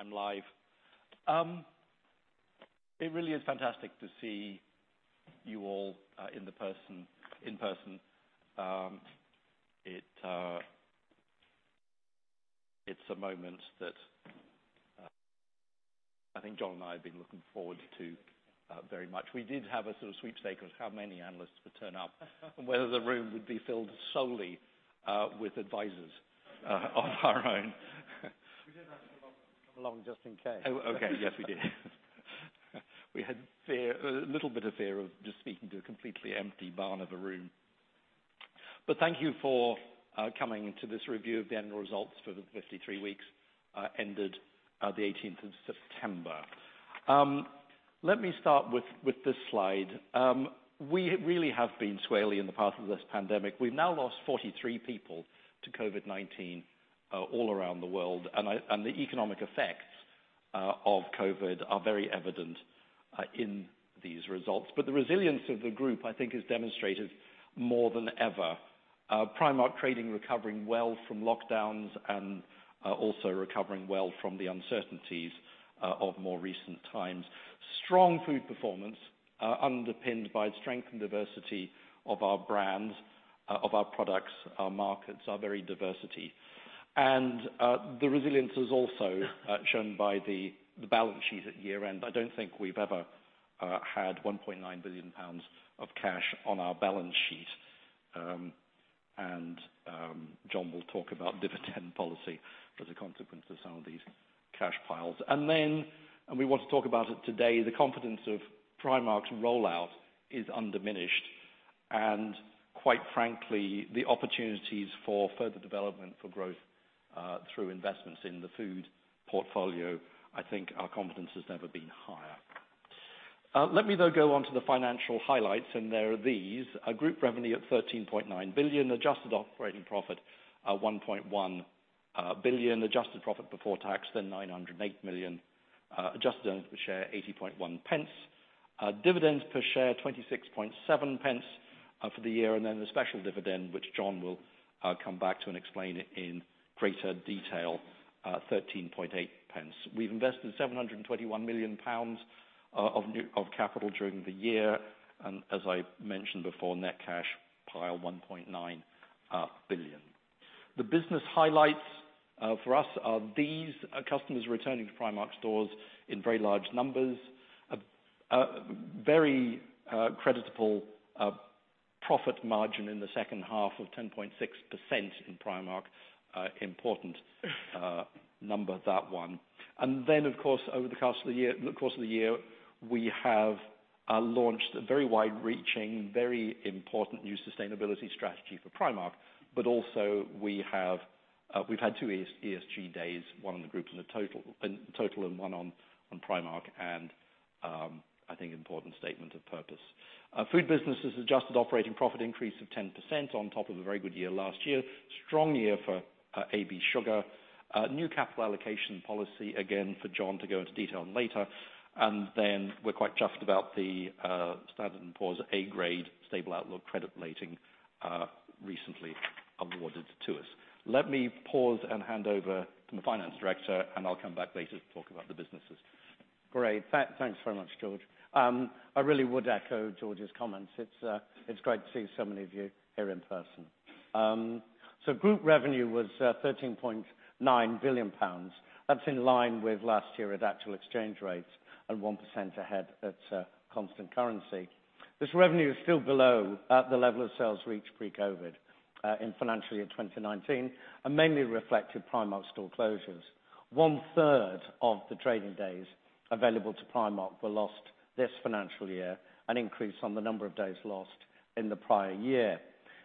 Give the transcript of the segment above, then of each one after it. I'm live. It really is fantastic to see you all in person. It's a moment that I think John and I have been looking forward to very much. We did have a sort of sweepstake on how many analysts would turn up and whether the room would be filled solely with advisors of our own. We did have to come along just in case. Oh, okay. Yes, we did. We had fear, a little bit of fear of just speaking to a completely empty barn of a room. Thank you for coming to this review of the annual results for the 53 weeks ended the September 18th. Let me start with this slide. We really have been squarely in the path of this pandemic. We've now lost 43 people to COVID-19 all around the world, and the economic effects of COVID are very evident in these results. The resilience of the group, I think, is demonstrated more than ever. Primark trading recovering well from lockdowns and also recovering well from the uncertainties of more recent times. Strong food performance underpinned by strength and diversity of our brands of our products, our markets, our very diversity. The resilience is also shown by the balance sheet at year-end. I don't think we've ever had 1.9 billion pounds of cash on our balance sheet. John will talk about dividend policy as a consequence of some of these cash piles. We want to talk about it today, the confidence of Primark's rollout is undiminished, and quite frankly, the opportunities for further development for growth through investments in the food portfolio, I think our confidence has never been higher. Let me, though, go on to the financial highlights, and they are these. Group revenue at 13.9 billion. Adjusted operating profit at 1.1 billion. Adjusted profit before tax, then 908 million. Adjusted Earnings Per Share, 80.1 pence. Dividends per share, 0.267, for the year. Then the special dividend, which John will come back to and explain it in greater detail, 0.138. We've invested 721 million pounds of new capital during the year. As I mentioned before, net cash pile, 1.9 billion. The business highlights for us are these. Customers returning to Primark stores in very large numbers. A very creditable profit margin in the H2 of 10.6% in Primark. Important number, that one. Then, of course, over the course of the year, we have launched a very wide-reaching, very important new sustainability strategy for Primark. We've had two ESG days, one on the group and the total, and one on Primark, and I think important statement of purpose. Our food business' adjusted operating profit increase of 10% on top of a very good year last year. Strong year for AB Sugar. New capital allocation policy, again, for John to go into detail on later. We're quite chuffed about the Standard & Poor's A grade stable outlook credit rating recently awarded to us. Let me pause and hand over to the finance director, and I'll come back later to talk about the businesses. Great. Thanks very much, George. I really would echo George's comments. It's great to see so many of you here in person. Group revenue was 13.9 billion pounds. That's in line with last year at actual exchange rates and 1% ahead at constant currency. This revenue is still below the level of sales reached pre-COVID in financial year 2019, and mainly reflected Primark store closures. One-third of the trading days available to Primark were lost this financial year, an increase on the number of days lost in the prior year.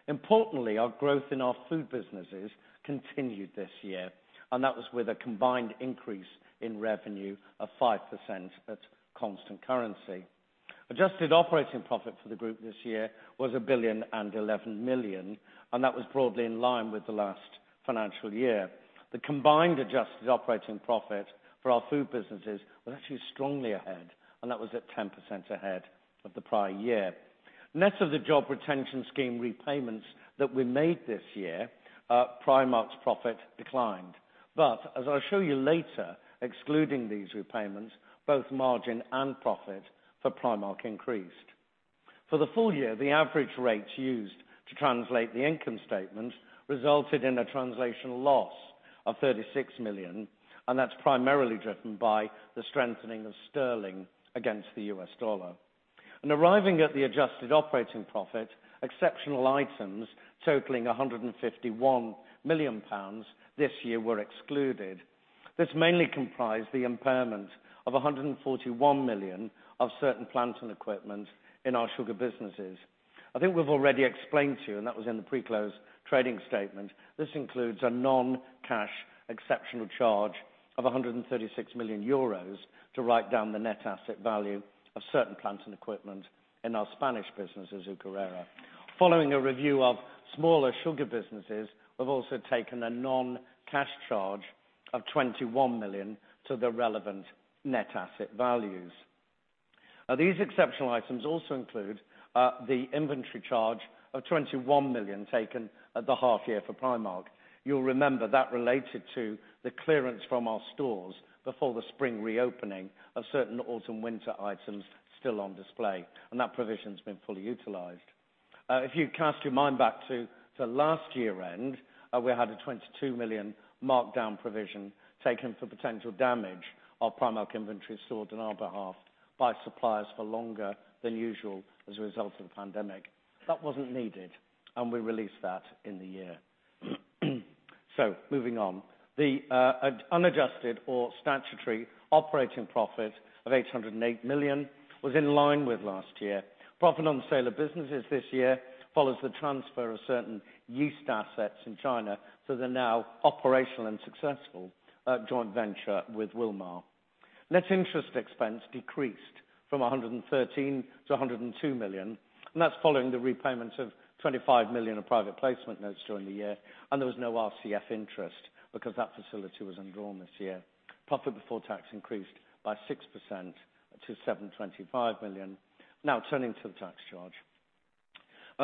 Importantly, our growth in our food businesses continued this year, and that was with a combined increase in revenue of 5% at constant currency. Adjusted operating profit for the group this year was 1.011 billion, and that was broadly in line with the last financial year. The combined adjusted operating profit for our food businesses was actually strongly ahead, and that was at 10% ahead of the prior year. Net of the job retention scheme repayments that we made this year, Primark's profit declined. But as I'll show you later, excluding these repayments, both margin and profit for Primark increased. For the full year, the average rates used to translate the income statement resulted in a translational loss of 36 million, and that's primarily driven by the strengthening of sterling against the US dollar. Arriving at the adjusted operating profit, exceptional items totaling 151 million pounds this year were excluded. This mainly comprised the impairment of 141 million of certain plant and equipment in our sugar businesses. I think we've already explained to you, and that was in the pre-close trading statement. This includes a non-cash exceptional charge of 136 million euros to write down the net asset value of certain plant and equipment in our Spanish business Azucarera. Following a review of smaller sugar businesses, we've also taken a non-cash charge of 21 million to the relevant net asset values. Now these exceptional items also include the inventory charge of 21 million taken at the half year for Primark. You'll remember that related to the clearance from our stores before the spring reopening of certain autumn/winter items still on display, and that provision's been fully utilized. If you cast your mind back to last year-end, we had a 22 million markdown provision taken for potential damage of Primark inventory stored on our behalf by suppliers for longer than usual as a result of the pandemic. That wasn't needed, and we released that in the year. Moving on. The unadjusted or statutory operating profit of 808 million was in line with last year. Profit on the sale of businesses this year follows the transfer of certain yeast assets in China to the now operational and successful joint venture with Wilmar. Net interest expense decreased from 113 million to 102 million, and that's following the repayment of 25 million of private placement notes during the year, and there was no RCF interest because that facility was undrawn this year. Profit before tax increased by 6% to 725 million. Now turning to the tax charge.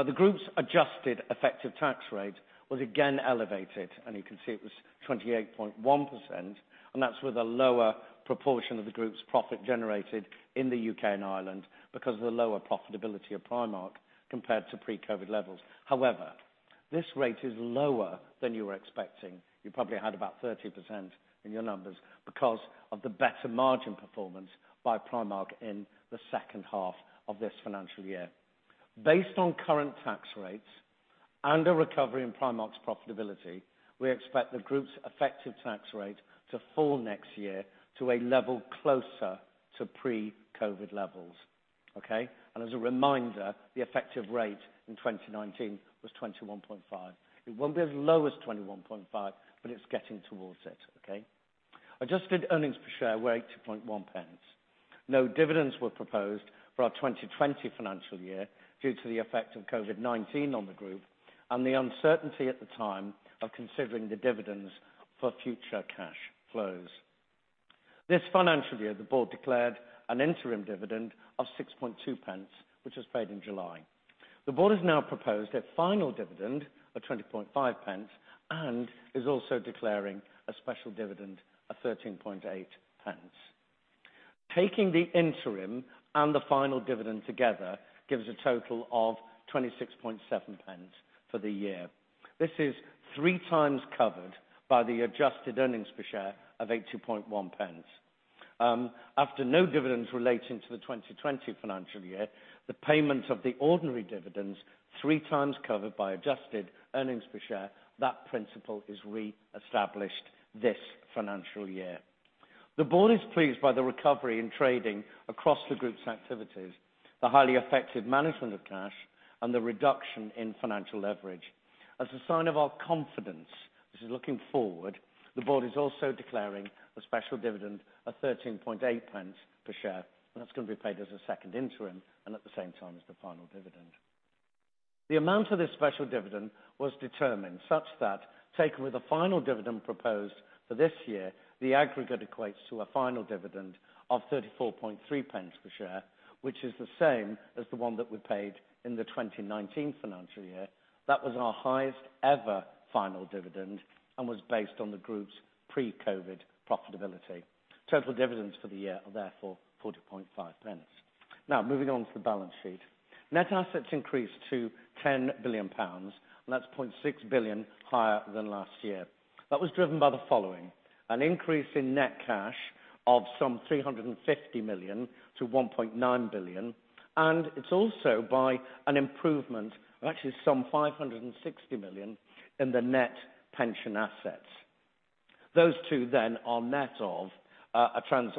The group's adjusted effective tax rate was again elevated, and you can see it was 28.1%, and that's with a lower proportion of the group's profit generated in the U.K. and Ireland because of the lower profitability of Primark compared to pre-COVID levels. However, this rate is lower than you were expecting. You probably had about 30% in your numbers because of the better margin performance by Primark in the H2 of this financial year. Based on current tax rates and a recovery in Primark's profitability, we expect the group's effective tax rate to fall next year to a level closer to pre-COVID levels, okay? As a reminder, the effective rate in 2019 was 21.5%. It won't be as low as 21.5%, but it's getting towards it, okay? Adjusted Earnings Per Share were 8.1 pence. No dividends were proposed for our 2020 financial year due to the effect of COVID-19 on the group and the uncertainty at the time of considering the dividends for future cash flows. This financial year, the board declared an interim dividend of 6.2 pence, which was paid in July. The board has now proposed a final dividend of 20.5 pence and is also declaring a special dividend of 13.8 pence. Taking the interim and the final dividend together gives a total of 26.7 pence for the year. This is three times covered by the Adjusted Earnings Per Share of 8.1 pence. After no dividends relating to the 2020 financial year, the payment of the ordinary dividends, 3x covered by adjusted earnings per share, that principle is re-established this financial year. The board is pleased by the recovery in trading across the group's activities, the highly effective management of cash, and the reduction in financial leverage. As a sign of our confidence, which is looking forward, the board is also declaring a special dividend of 13.8 pence per share, and that's gonna be paid as a second interim and at the same time as the final dividend. The amount of this special dividend was determined such that taken with the final dividend proposed for this year, the aggregate equates to a final dividend of 34.3 pence per share, which is the same as the one that we paid in the 2019 financial year. That was our highest ever final dividend and was based on the group's pre-COVID profitability. Total dividends for the year are therefore 0.405. Now moving on to the balance sheet. Net assets increased to 10 billion pounds, and that's 0.6 billion higher than last year. That was driven by the following, an increase in net cash of some 350 million to 1.9 billion, and it's also by an improvement of actually some 560 million in the net pension assets. Those two then are net of a translation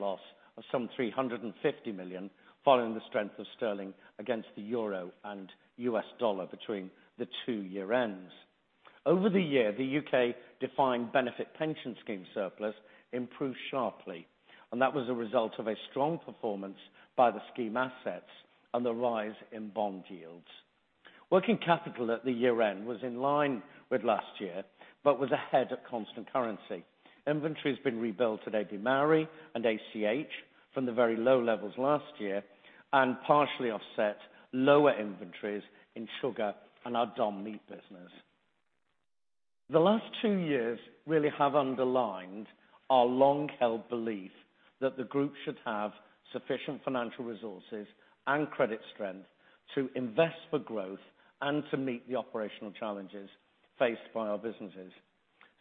loss of some 350 million following the strength of sterling against the euro and U.S. dollar between the two year-ends. Over the year, the U.K. defined benefit pension scheme surplus improved sharply, and that was a result of a strong performance by the scheme assets and the rise in bond yields. Working capital at the year-end was in line with last year, but was ahead at constant currency. Inventory has been rebuilt at AB Mauri and ACH from the very low levels last year and partially offset lower inventories in sugar and our DON meat business. The last two years really have underlined our long-held belief that the group should have sufficient financial resources and credit strength to invest for growth and to meet the operational challenges faced by our businesses.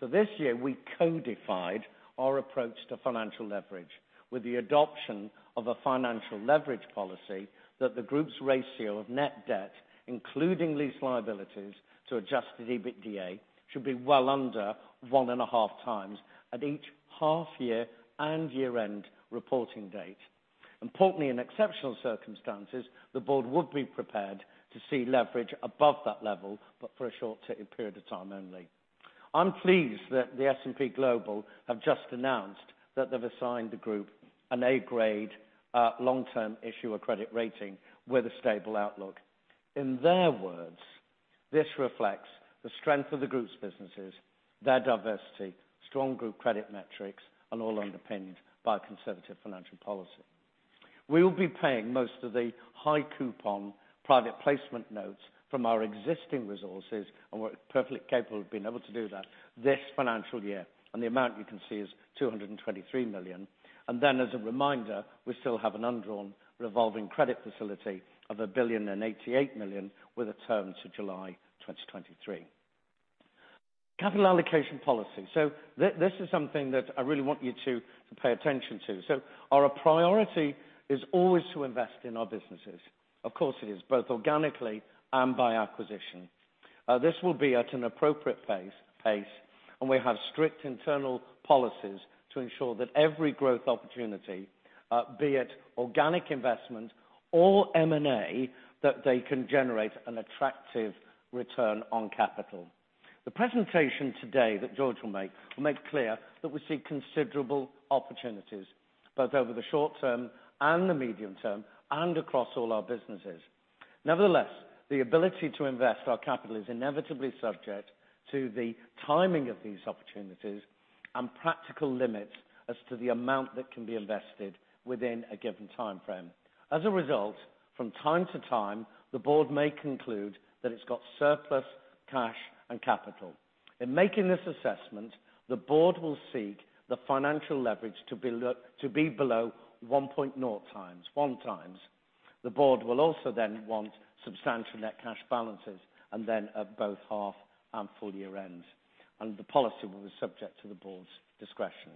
This year we codified our approach to financial leverage with the adoption of a financial leverage policy that the group's ratio of net debt, including lease liabilities, to Adjusted EBITDA should be well under one and a half times at each half year and year-end reporting date. Importantly, in exceptional circumstances, the board would be prepared to see leverage above that level, but for a short period of time only. I'm pleased that the S&P Global Ratings have just announced that they've assigned the group an A grade long-term issuer credit rating with a stable outlook. In their words, this reflects the strength of the group's businesses, their diversity, strong group credit metrics, and all underpinned by conservative financial policy. We will be paying most of the high coupon private placement notes from our existing resources, and we're perfectly capable of being able to do that this financial year. The amount you can see is 223 million. Then as a reminder, we still have an undrawn revolving credit facility of 1.088 billion with a term to July 2023. Capital allocation policy. This is something that I really want you to pay attention to. Our priority is always to invest in our businesses. Of course it is, both organically and by acquisition. This will be at an appropriate pace, and we have strict internal policies to ensure that every growth opportunity, be it organic investment or M&A, that they can generate an attractive return on capital. The presentation today that George will make will make clear that we see considerable opportunities both over the short term and the medium term, and across all our businesses. Nevertheless, the ability to invest our capital is inevitably subject to the timing of these opportunities and practical limits as to the amount that can be invested within a given timeframe. As a result, from time to time, the board may conclude that it's got surplus cash and capital. In making this assessment, the board will seek the financial leverage to be below 1.0x. The board will also then want substantial net cash balances, and then at both half and full year ends, and the policy will be subject to the board's discretion.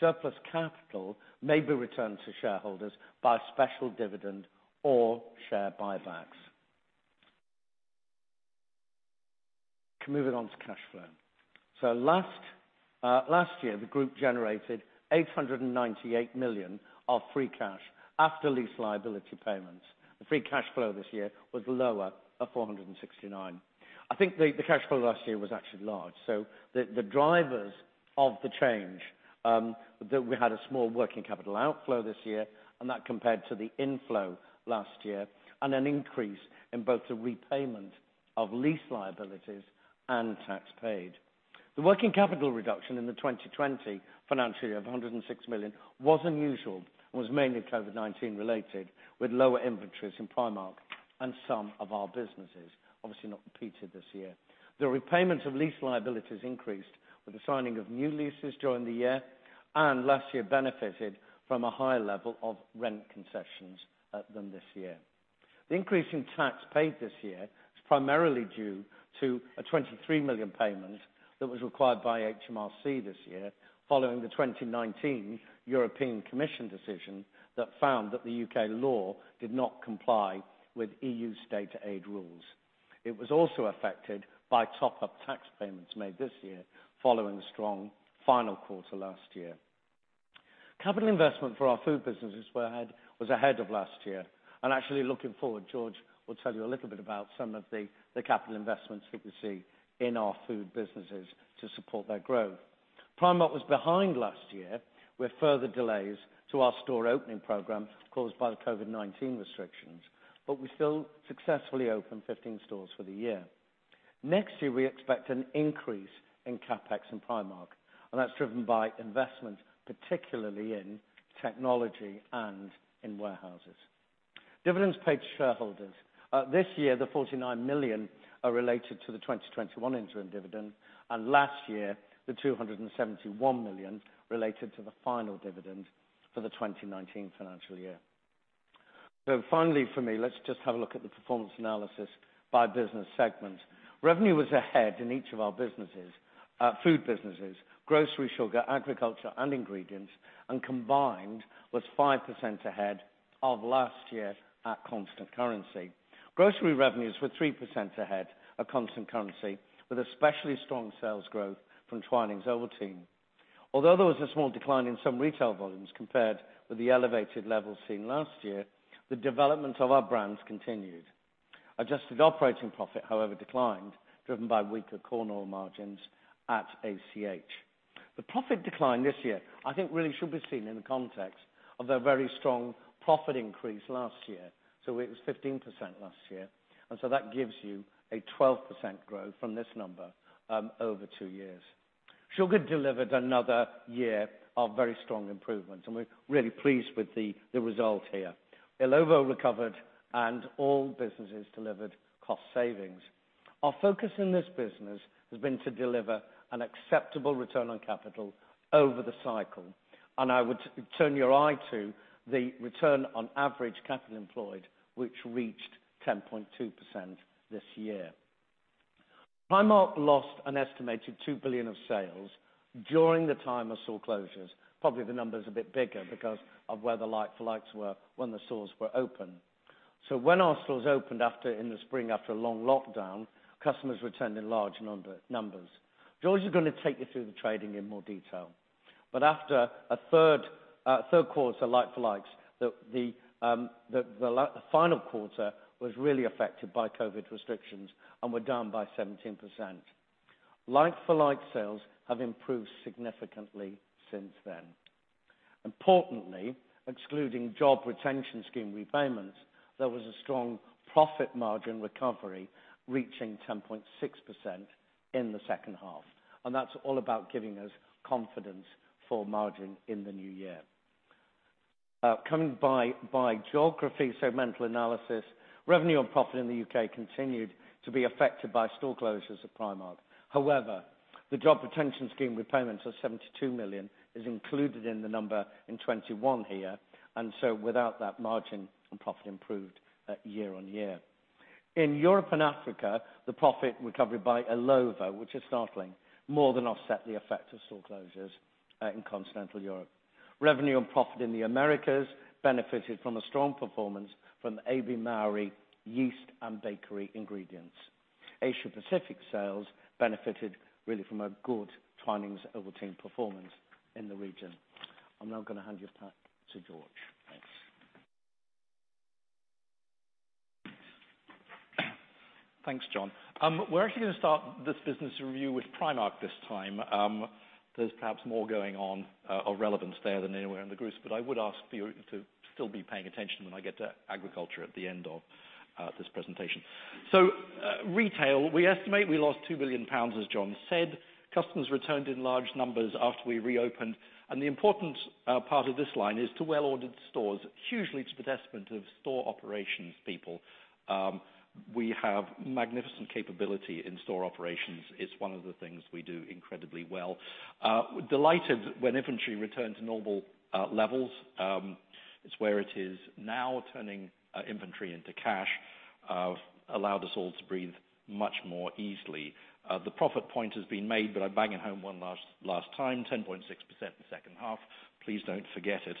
Surplus capital may be returned to shareholders by special dividend or share buybacks. Moving on to cash flow. Last year, the group generated 898 million of free cash after lease liability payments. The free cash flow this year was lower, at 469 million. I think the cash flow last year was actually large. The drivers of the change that we had a small working capital outflow this year, and that compared to the inflow last year, and an increase in both the repayment of lease liabilities and tax paid. The working capital reduction in the 2020 financial year of 106 million was unusual, and was mainly COVID-19 related, with lower inventories in Primark and some of our businesses obviously not operating this year. The repayments of lease liabilities increased with the signing of new leases during the year, and last year benefited from a higher level of rent concessions than this year. The increase in tax paid this year is primarily due to a 23 million payment that was required by HMRC this year following the 2019 European Commission decision that found that the U.K. law did not comply with EU state aid rules. It was also affected by top-up tax payments made this year following strong final quarter last year. Capital investment for our food businesses was ahead of last year. Actually looking forward, George will tell you a little bit about some of the capital investments that you see in our food businesses to support their growth. Primark was behind last year with further delays to our store opening program caused by the COVID-19 restrictions, but we still successfully opened 15 stores for the year. Next year we expect an increase in CapEx in Primark, and that's driven by investment, particularly in technology and in warehouses. Dividends paid to shareholders. This year the 49 million are related to the 2021 interim dividend, and last year the 271 million related to the final dividend for the 2019 financial year. Finally for me, let's just have a look at the performance analysis by business segment. Revenue was ahead in each of our businesses, food businesses, grocery, sugar, agriculture, and ingredients, and combined was 5% ahead of last year at constant currency. Grocery revenues were 3% ahead of constant currency, with especially strong sales growth from Twinings Ovaltine. Although there was a small decline in some retail volumes compared with the elevated levels seen last year, the development of our brands continued. Adjusted operating profit, however, declined, driven by weaker corn oil margins at ACH. The profit decline this year I think really should be seen in the context of the very strong profit increase last year, so it was 15% last year. That gives you a 12% growth from this number over two years. Sugar delivered another year of very strong improvements, and we're really pleased with the result here. Illovo recovered and all businesses delivered cost savings. Our focus in this business has been to deliver an acceptable return on capital over the cycle, and I would turn your eye to the return on average capital employed, which reached 10.2% this year. Primark lost an estimated 2 billion of sales during the time of store closures. Probably the number's a bit bigger because of where the like-for-likes were when the stores were open. When our stores opened after, in the spring after a long lockdown, customers returned in large numbers. George is gonna take you through the trading in more detail. After a third quarter like-for-like, the final quarter was really affected by COVID restrictions and were down by 17%. Like-for-like sales have improved significantly since then. Importantly, excluding job retention scheme repayments, there was a strong profit margin recovery reaching 10.6% in the H2. That's all about giving us confidence for margin in the new year. By geography, segmental analysis, revenue, and profit in the U.K. continued to be affected by store closures of Primark. However, the job retention scheme repayments of 72 million is included in the number in 2021 here, and so without that, margin and profit improved year-on-year. In Europe and Africa, the profit recovered by Illovo, which is startling, more than offset the effect of store closures in continental Europe. Revenue and profit in the Americas benefited from a strong performance from AB Mauri yeast and bakery ingredients. Asia-Pacific sales benefited really from a good Twinings Ovaltine performance in the region. I'm now gonna hand you back to George. Thanks. Thanks, John. We're actually gonna start this business review with Primark this time. There's perhaps more going on of relevance there than anywhere in the group, but I would ask you to still be paying attention when I get to agriculture at the end of this presentation. Retail, we estimate we lost 2 billion pounds, as John said. Customers returned in large numbers after we reopened. The important part of this line is the well-ordered stores, hugely to the detriment of store operations people. We have magnificent capability in store operations. It's one of the things we do incredibly well. We're delighted when inventory returned to normal levels. It's where it is now. Turning inventory into cash allowed us all to breathe much more easily. The profit point has been made, but I'm banging home one last time, 10.6% in the H2. Please don't forget it.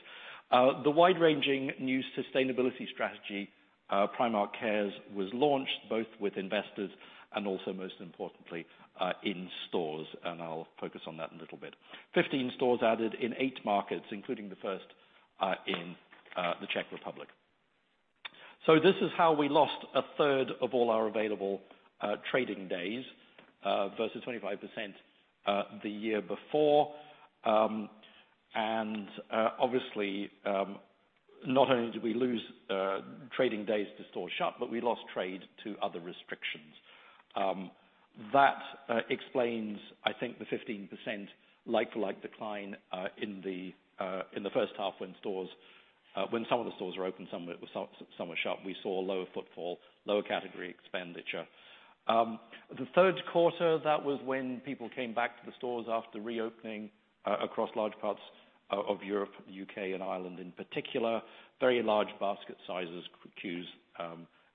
The wide-ranging new sustainability strategy, Primark Cares, was launched both with investors and also, most importantly, in stores, and I'll focus on that in a little bit. 15 stores added in eight markets, including the first in the Czech Republic. This is how we lost a third of all our available trading days versus 25% the year before. Obviously, not only did we lose trading days to stores shut, but we lost trade to other restrictions. That explains, I think, the 15% like-for-like decline in the H1 when some of the stores were open, some were shut. We saw lower footfall, lower category expenditure. The third quarter, that was when people came back to the stores after reopening across large parts of Europe, U.K. and Ireland in particular. Very large basket sizes, queues,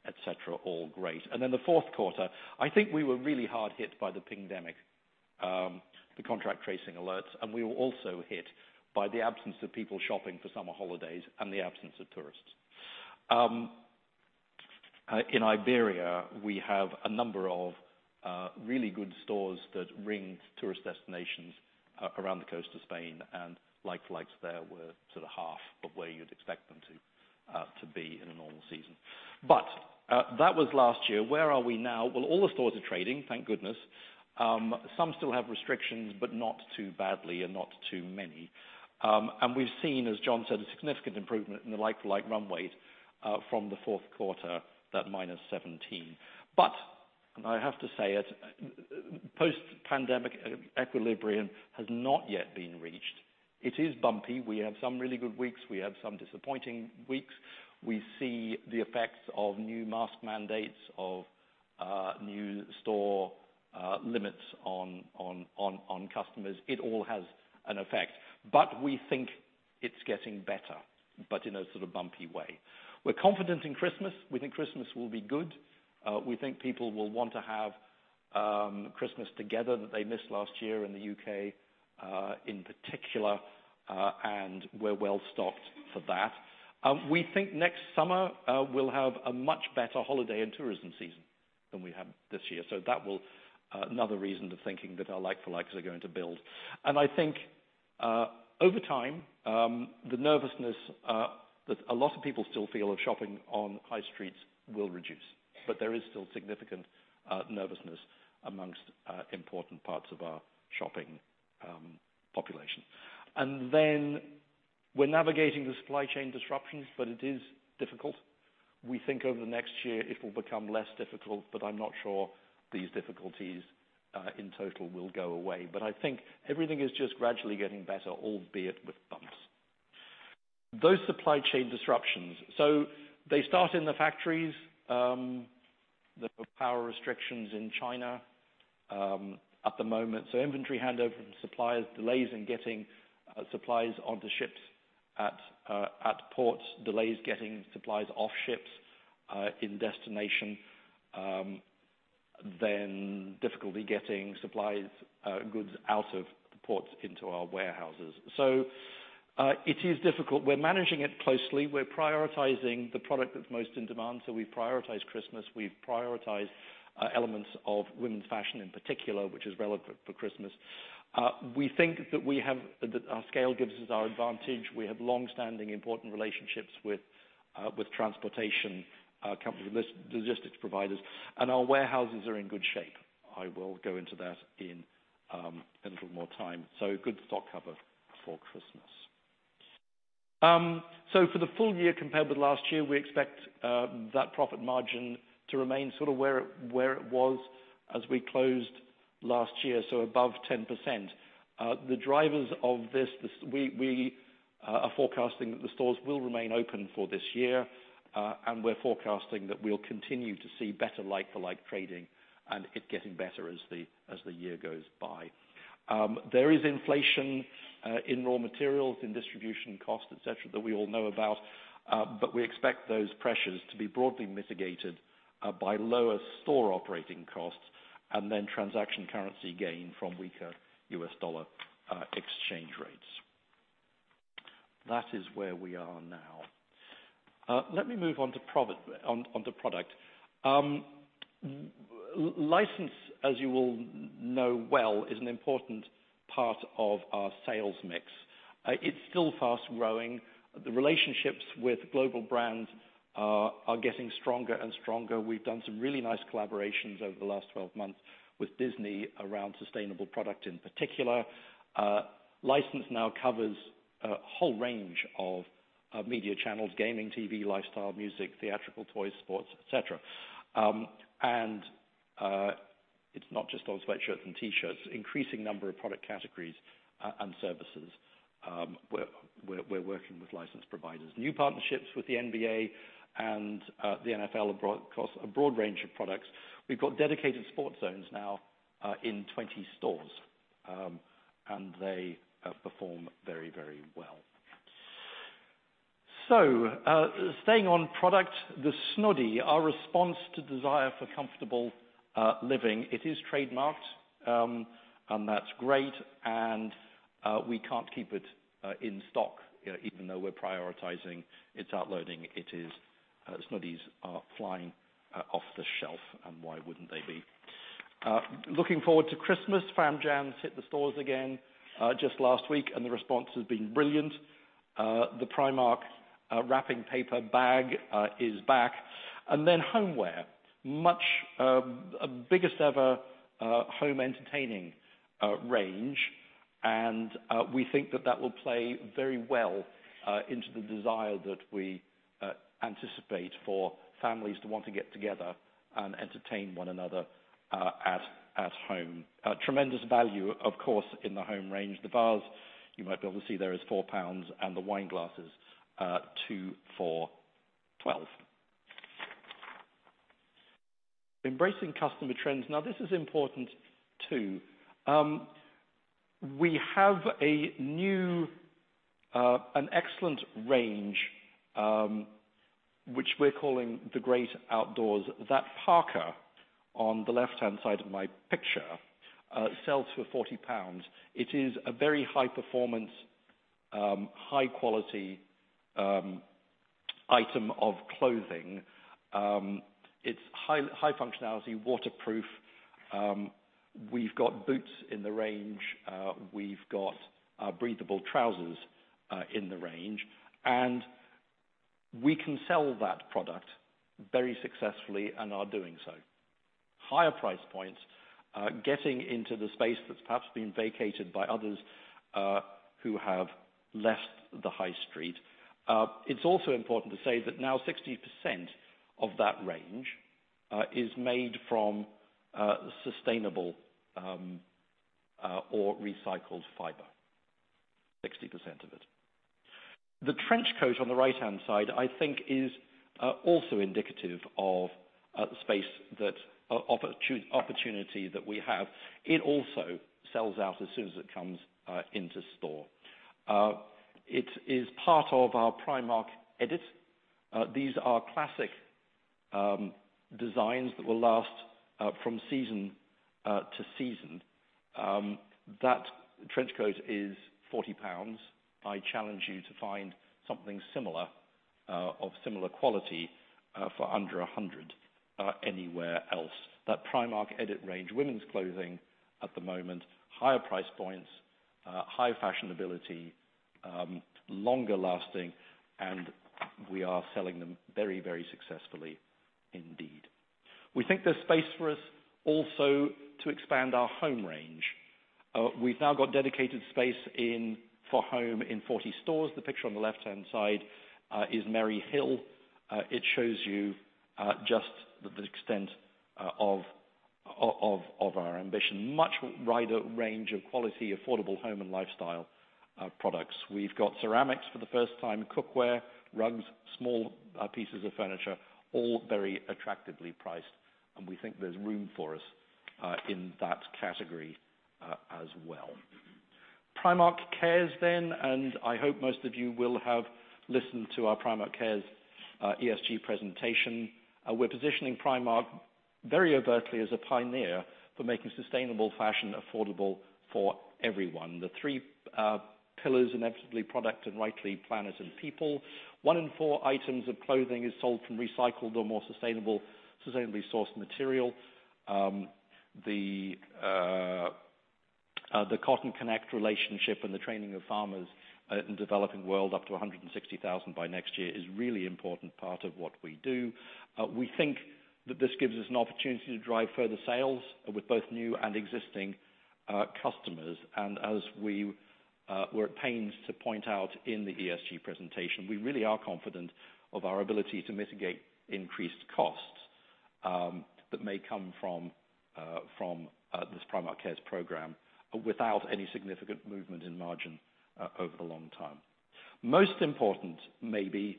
et cetera, all great. Then the fourth quarter, I think we were really hard hit by the pindemic, the contact tracing alerts, and we were also hit by the absence of people shopping for summer holidays and the absence of tourists. In Iberia, we have a number of really good stores that ring tourist destinations around the coast of Spain, and like flights there were sort of half of where you'd expect them to be in a normal season. That was last year. Where are we now? Well, all the stores are trading, thank goodness. Some still have restrictions, but not too badly and not too many. We've seen, as John said, a significant improvement in the like-for-like run rate from the fourth quarter, that -17%. I have to say it, post-pandemic equilibrium has not yet been reached. It is bumpy. We have some really good weeks. We have some disappointing weeks. We see the effects of new mask mandates of new store limits on customers. It all has an effect. We think it's getting better, but in a sort of bumpy way. We're confident in Christmas. We think Christmas will be good. We think people will want to have Christmas together that they missed last year in the U.K., in particular, and we're well stocked for that. We think next summer, we'll have a much better holiday and tourism season than we have this year. Another reason for thinking that our like-for-likes are going to build. I think, over time, the nervousness that a lot of people still feel about shopping on high streets will reduce. There is still significant nervousness amongst important parts of our shopping population. We're navigating the supply chain disruptions, but it is difficult. We think over the next year it will become less difficult, but I'm not sure these difficulties in total will go away. I think everything is just gradually getting better, albeit with bumps. Those supply chain disruptions start in the factories, the power restrictions in China at the moment. Inventory handover from suppliers, delays in getting supplies onto ships at ports, delays getting supplies off ships in destination, then difficulty getting supplies goods out of the ports into our warehouses. It is difficult. We're managing it closely. We're prioritizing the product that's most in demand. We prioritize Christmas. We prioritize elements of women's fashion in particular, which is relevant for Christmas. We think that our scale gives us our advantage. We have longstanding important relationships with transportation companies, logistics providers, and our warehouses are in good shape. I will go into that in a little more time. Good stock cover before Christmas. For the full year compared with last year, we expect that profit margin to remain sort of where it was as we closed last year, so above 10%. The drivers of this, we are forecasting that the stores will remain open for this year. We're forecasting that we'll continue to see better like-for-like trading and it getting better as the year goes by. There is inflation in raw materials, in distribution costs, et cetera, that we all know about. We expect those pressures to be broadly mitigated by lower store operating costs and then transaction currency gain from weaker U.S. dollar exchange rates. That is where we are now. Let me move on to Primark on the product. Licensing, as you will know well, is an important part of our sales mix. It's still fast-growing. The relationships with global brands are getting stronger and stronger. We've done some really nice collaborations over the last 12 months with Disney around sustainable product in particular. Licensing now covers a whole range of media channels, gaming, TV, lifestyle, music, theatrical, toys, sports, et cetera. It's not just all sweatshirts and T-shirts. Increasing number of product categories and services, we're working with licensing providers. New partnerships with the NBA and the NFL have brought us a broad range of products. We've got dedicated sports zones now in 20 stores, and they perform very, very well. Staying on product, the Snuddie, our response to desire for comfortable living. It is trademarked, and that's great, and we can't keep it in stock, even though we're prioritizing its uploading. Snuddies are flying off the shelf, and why wouldn't they be? Looking forward to Christmas, FamJams hit the stores again just last week, and the response has been brilliant. The Primark wrapping paper bag is back. Homeware, our biggest ever home entertaining range. We think that will play very well into the desire that we anticipate for families to want to get together and entertain one another at home. Tremendous value, of course, in the home range. The vase you might be able to see there is 4 pounds and the wine glasses two for 12. Embracing customer trends. Now, this is important too. We have a new an excellent range which we're calling the great outdoors. That parka on the left-hand side of my picture sells for 40 pounds. It is a very high performance high quality item of clothing. It's high functionality, waterproof. We've got boots in the range. We've got breathable trousers in the range. We can sell that product very successfully and are doing so. Higher price points, getting into the space that's perhaps been vacated by others who have left the high street. It's also important to say that now 60% of that range is made from sustainable or recycled fiber. 60% of it. The trench coat on the right-hand side, I think is also indicative of the space that opportunity that we have. It also sells out as soon as it comes into store. It is part of our Primark Edit. These are classic designs that will last from season to season. That trench coat is £40. I challenge you to find something similar of similar quality for under £100 anywhere else. That Primark Edit range, women's clothing at the moment, higher price points, higher fashionability, longer lasting, and we are selling them very, very successfully indeed. We think there's space for us also to expand our home range. We've now got dedicated space in, for home in 40 stores. The picture on the left-hand side is Merry Hill. It shows you just the extent of our ambition. Much wider range of quality, affordable home and lifestyle products. We've got ceramics for the first time, cookware, rugs, small pieces of furniture, all very attractively priced, and we think there's room for us in that category as well. Primark Cares then, and I hope most of you will have listened to our Primark Cares ESG presentation. We're positioning Primark very overtly as a pioneer for making sustainable fashion affordable for everyone. The three pillars, inevitably product, and rightly planet and people. One in four items of clothing is sold from recycled or more sustainable, sustainably sourced material. The CottonConnect relationship and the training of farmers in developing world up to 160,000 by next year is really important part of what we do. We think that this gives us an opportunity to drive further sales with both new and existing customers. As we're at pains to point out in the ESG presentation, we really are confident of our ability to mitigate increased costs that may come from this Primark Cares program without any significant movement in margin over the long time. Most important, maybe,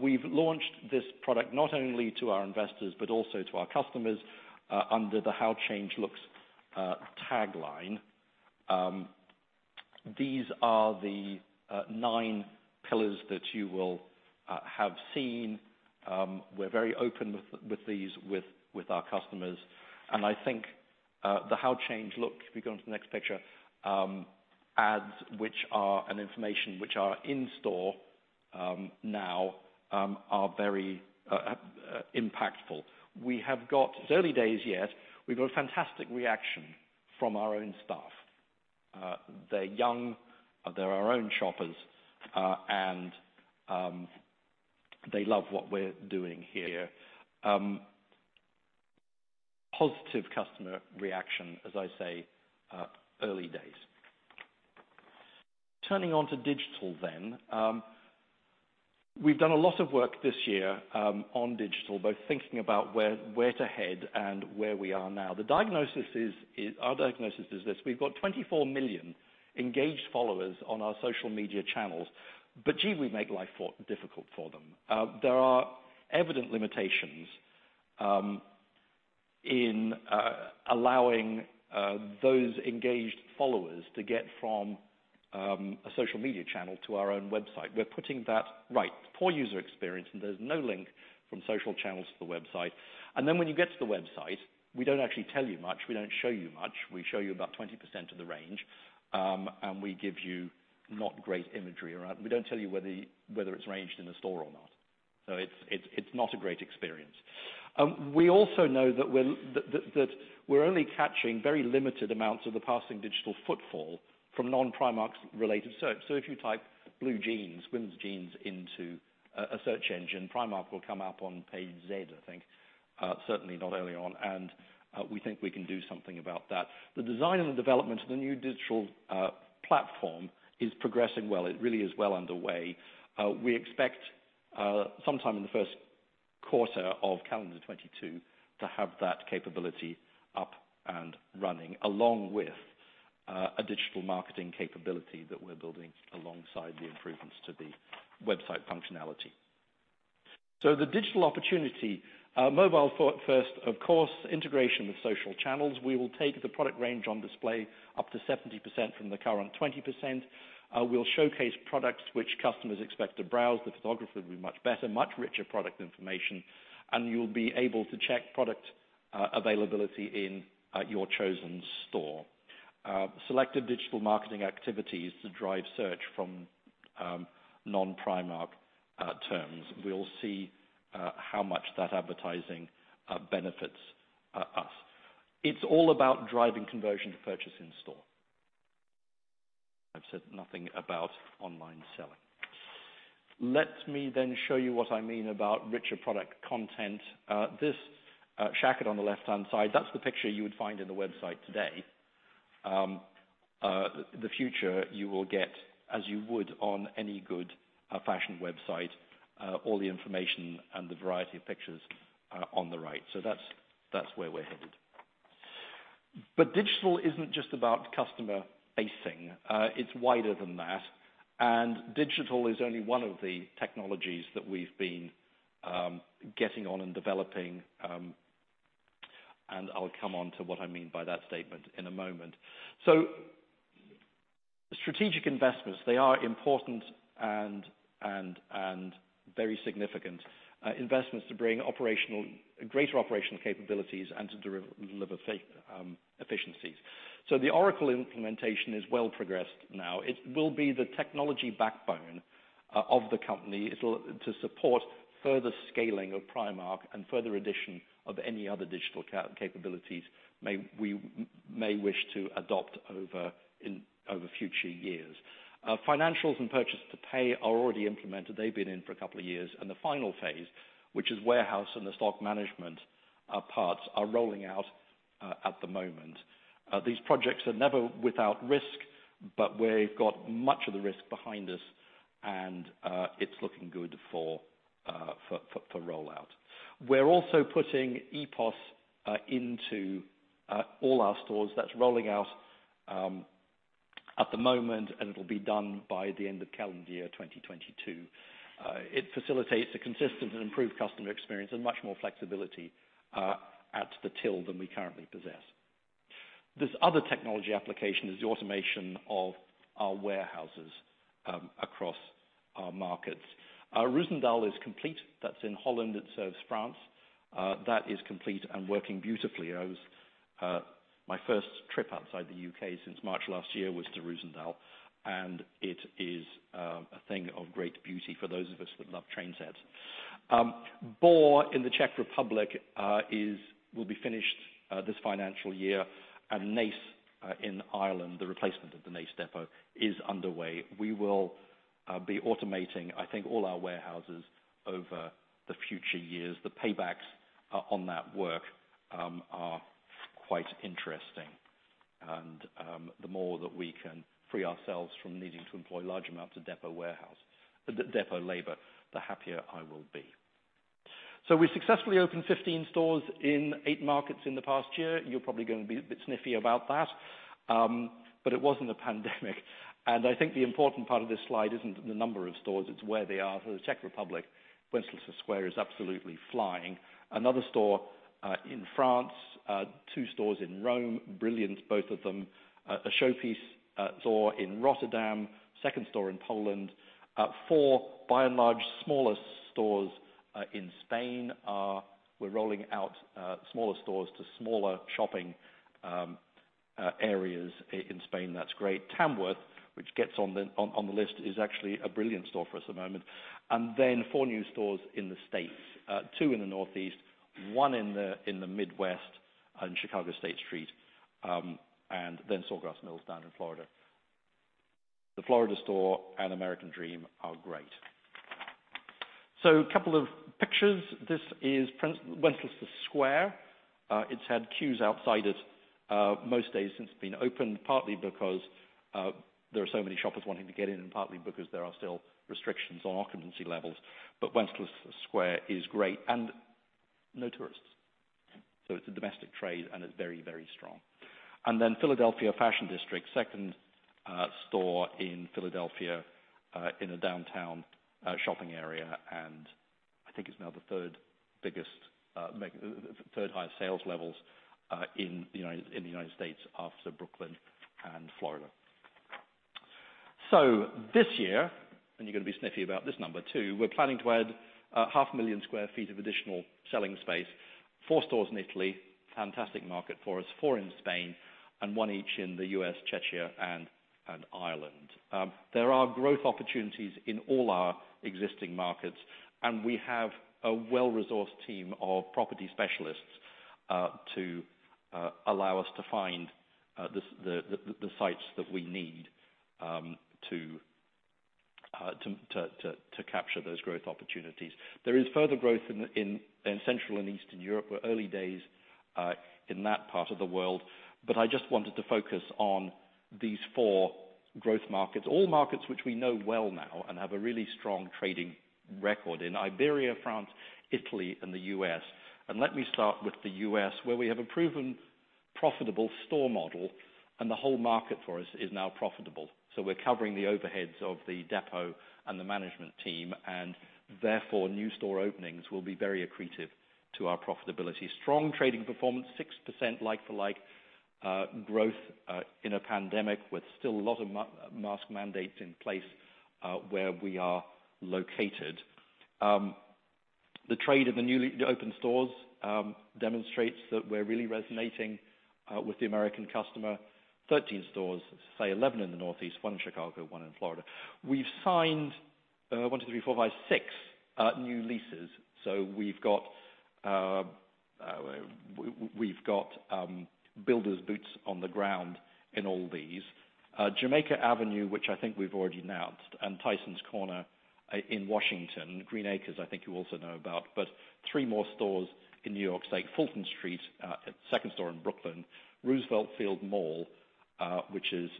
we've launched this product not only to our investors but also to our customers under the How Change Looks tagline. These are the nine pillars that you will have seen. We're very open with these, with our customers. I think the How Change Looks, if we go onto the next picture, ads and information which are in store now are very impactful. We have got early days yet. We've got fantastic reaction from our own staff. They're young, they're our own shoppers, and they love what we're doing here. Positive customer reaction, as I say, early days. Turning on to digital. We've done a lot of work this year on digital, both thinking about where to head and where we are now. Our diagnosis is this. We've got 24 million engaged followers on our social media channels, but gee, we make life far too difficult for them. There are evident limitations in allowing those engaged followers to get from a social media channel to our own website. We're putting that right. Poor user experience, and there's no link from social channels to the website. When you get to the website, we don't actually tell you much. We don't show you much. We show you about 20% of the range, and we give you not great imagery around. We don't tell you whether it's ranged in the store or not. It's not a great experience. We also know that that we're only catching very limited amounts of the passing digital footfall from non-Primark's related search. If you type blue jeans, women's jeans into a search engine, Primark will come up on page Z, I think. Certainly not early on, and we think we can do something about that. The design and the development of the new digital platform is progressing well. It really is well underway. We expect sometime in the first quarter of calendar 2022 to have that capability up and running along with a digital marketing capability that we're building alongside the improvements to the website functionality. The digital opportunity, mobile-first, of course, integration with social channels. We will take the product range on display up to 70% from the current 20%. We'll showcase products which customers expect to browse. The photography will be much better, much richer product information, and you'll be able to check product availability in your chosen store. Selected digital marketing activities to drive search from non-Primark terms. We'll see how much that advertising benefits us. It's all about driving conversion to purchase in store. I've said nothing about online selling. Let me then show you what I mean about richer product content. This shacket on the left-hand side, that's the picture you would find in the website today. The future you will get as you would on any good fashion website, all the information and the variety of pictures on the right. That's where we're headed. Digital isn't just about customer facing. It's wider than that. Digital is only one of the technologies that we've been getting on and developing, and I'll come on to what I mean by that statement in a moment. Strategic investments, they are important and very significant investments to bring greater operational capabilities and to deliver safe efficiencies. The Oracle implementation is well progressed now. It will be the technology backbone of the company. It'll to support further scaling of Primark and further addition of any other digital capabilities we may wish to adopt over future years. Financials and purchase to pay are already implemented. They've been in for a couple of years. The final phase, which is warehouse and the stock management parts are rolling out at the moment. These projects are never without risk, but we've got much of the risk behind us and it's looking good for rollout. We're also putting EPOS into all our stores. That's rolling out at the moment, and it'll be done by the end of calendar year 2022. It facilitates a consistent and improved customer experience and much more flexibility at the till than we currently possess. This other technology application is the automation of our warehouses across our markets. Roosendaal is complete. That's in Holland. It serves France. That is complete and working beautifully. It was my first trip outside the U.K. since March last year to Roosendaal, and it is a thing of great beauty for those of us that love train sets. Brno in the Czech Republic will be finished this financial year, and Naas in Ireland, the replacement of the Naas depot, is underway. We will be automating, I think, all our warehouses over the future years. The paybacks on that work are quite interesting, and the more that we can free ourselves from needing to employ large amounts of depot labor, the happier I will be. We successfully opened 15 stores in eight markets in the past year. You are probably going to be a bit sniffy about that, but it was not a pandemic. I think the important part of this slide isn't the number of stores, it's where they are. The Czech Republic, Wenceslas Square is absolutely flying. Another store in France, two stores in Rome, brilliant, both of them. A showpiece store in Rotterdam, second store in Poland. Four by and large smaller stores in Spain. We're rolling out smaller stores to smaller shopping areas in Spain, that's great. Tamworth, which gets on the list is actually a brilliant store for us at the moment. Four new stores in the States, two in the Northeast, one in the Midwest, in Chicago State Street, and then Sawgrass Mills down in Florida. The Florida store and American Dream are great. A couple of pictures. This is Wenceslas Square. It's had queues outside it most days since it's been opened, partly because there are so many shoppers wanting to get in, and partly because there are still restrictions on occupancy levels. Wenceslas Square is great and no tourists. It's a domestic trade, and it's very, very strong. Philadelphia Fashion District, second store in Philadelphia, in a downtown shopping area. I think it's now the third biggest, third highest sales levels in the United States after Brooklyn and Florida. This year, and you're gonna be sniffy about this number too, we're planning to add 500,000 sq ft of additional selling space. Four stores in Italy, fantastic market for us. Four in Spain and one each in the U.S., Czechia, and Ireland. There are growth opportunities in all our existing markets, and we have a well-resourced team of property specialists to allow us to find the sites that we need to capture those growth opportunities. There is further growth in Central and Eastern Europe. We're early days in that part of the world. But I just wanted to focus on these four growth markets, all markets which we know well now and have a really strong trading record in Iberia, France, Italy, and the U.S. Let me start with the U.S., where we have a proven profitable store model, and the whole market for us is now profitable. We're covering the overheads of the depot and the management team, and therefore, new store openings will be very accretive to our profitability. Strong trading performance, 6% like-for-like growth in a pandemic with still a lot of mask mandates in place where we are located. The trade of the newly opened stores demonstrates that we're really resonating with the American customer. 13 stores, say 11 in the Northeast, one in Chicago, one in Florida. We've signed one, two, three, four, five, six new leases. We've got builder's boots on the ground in all these. Jamaica Avenue, which I think we've already announced, and Tysons Corner in Washington. Green Acres, I think you also know about, but three more stores in New York State, Fulton Street, second store in Brooklyn, Roosevelt Field Mall, which is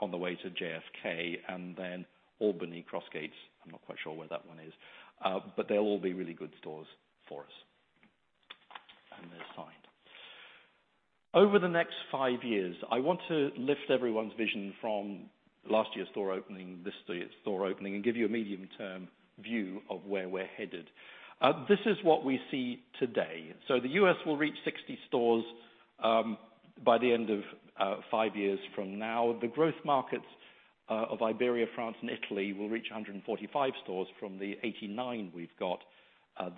on the way to JFK, and then Albany Crossgates. I'm not quite sure where that one is. They'll all be really good stores for us. They're signed. Over the next five years, I want to lift everyone's vision from last year's store opening, this store opening, and give you a medium-term view of where we're headed. This is what we see today. The U.S. will reach 60 stores by the end of five years from now. The growth markets of Iberia, France, and Italy will reach 145 stores from the 89 we've got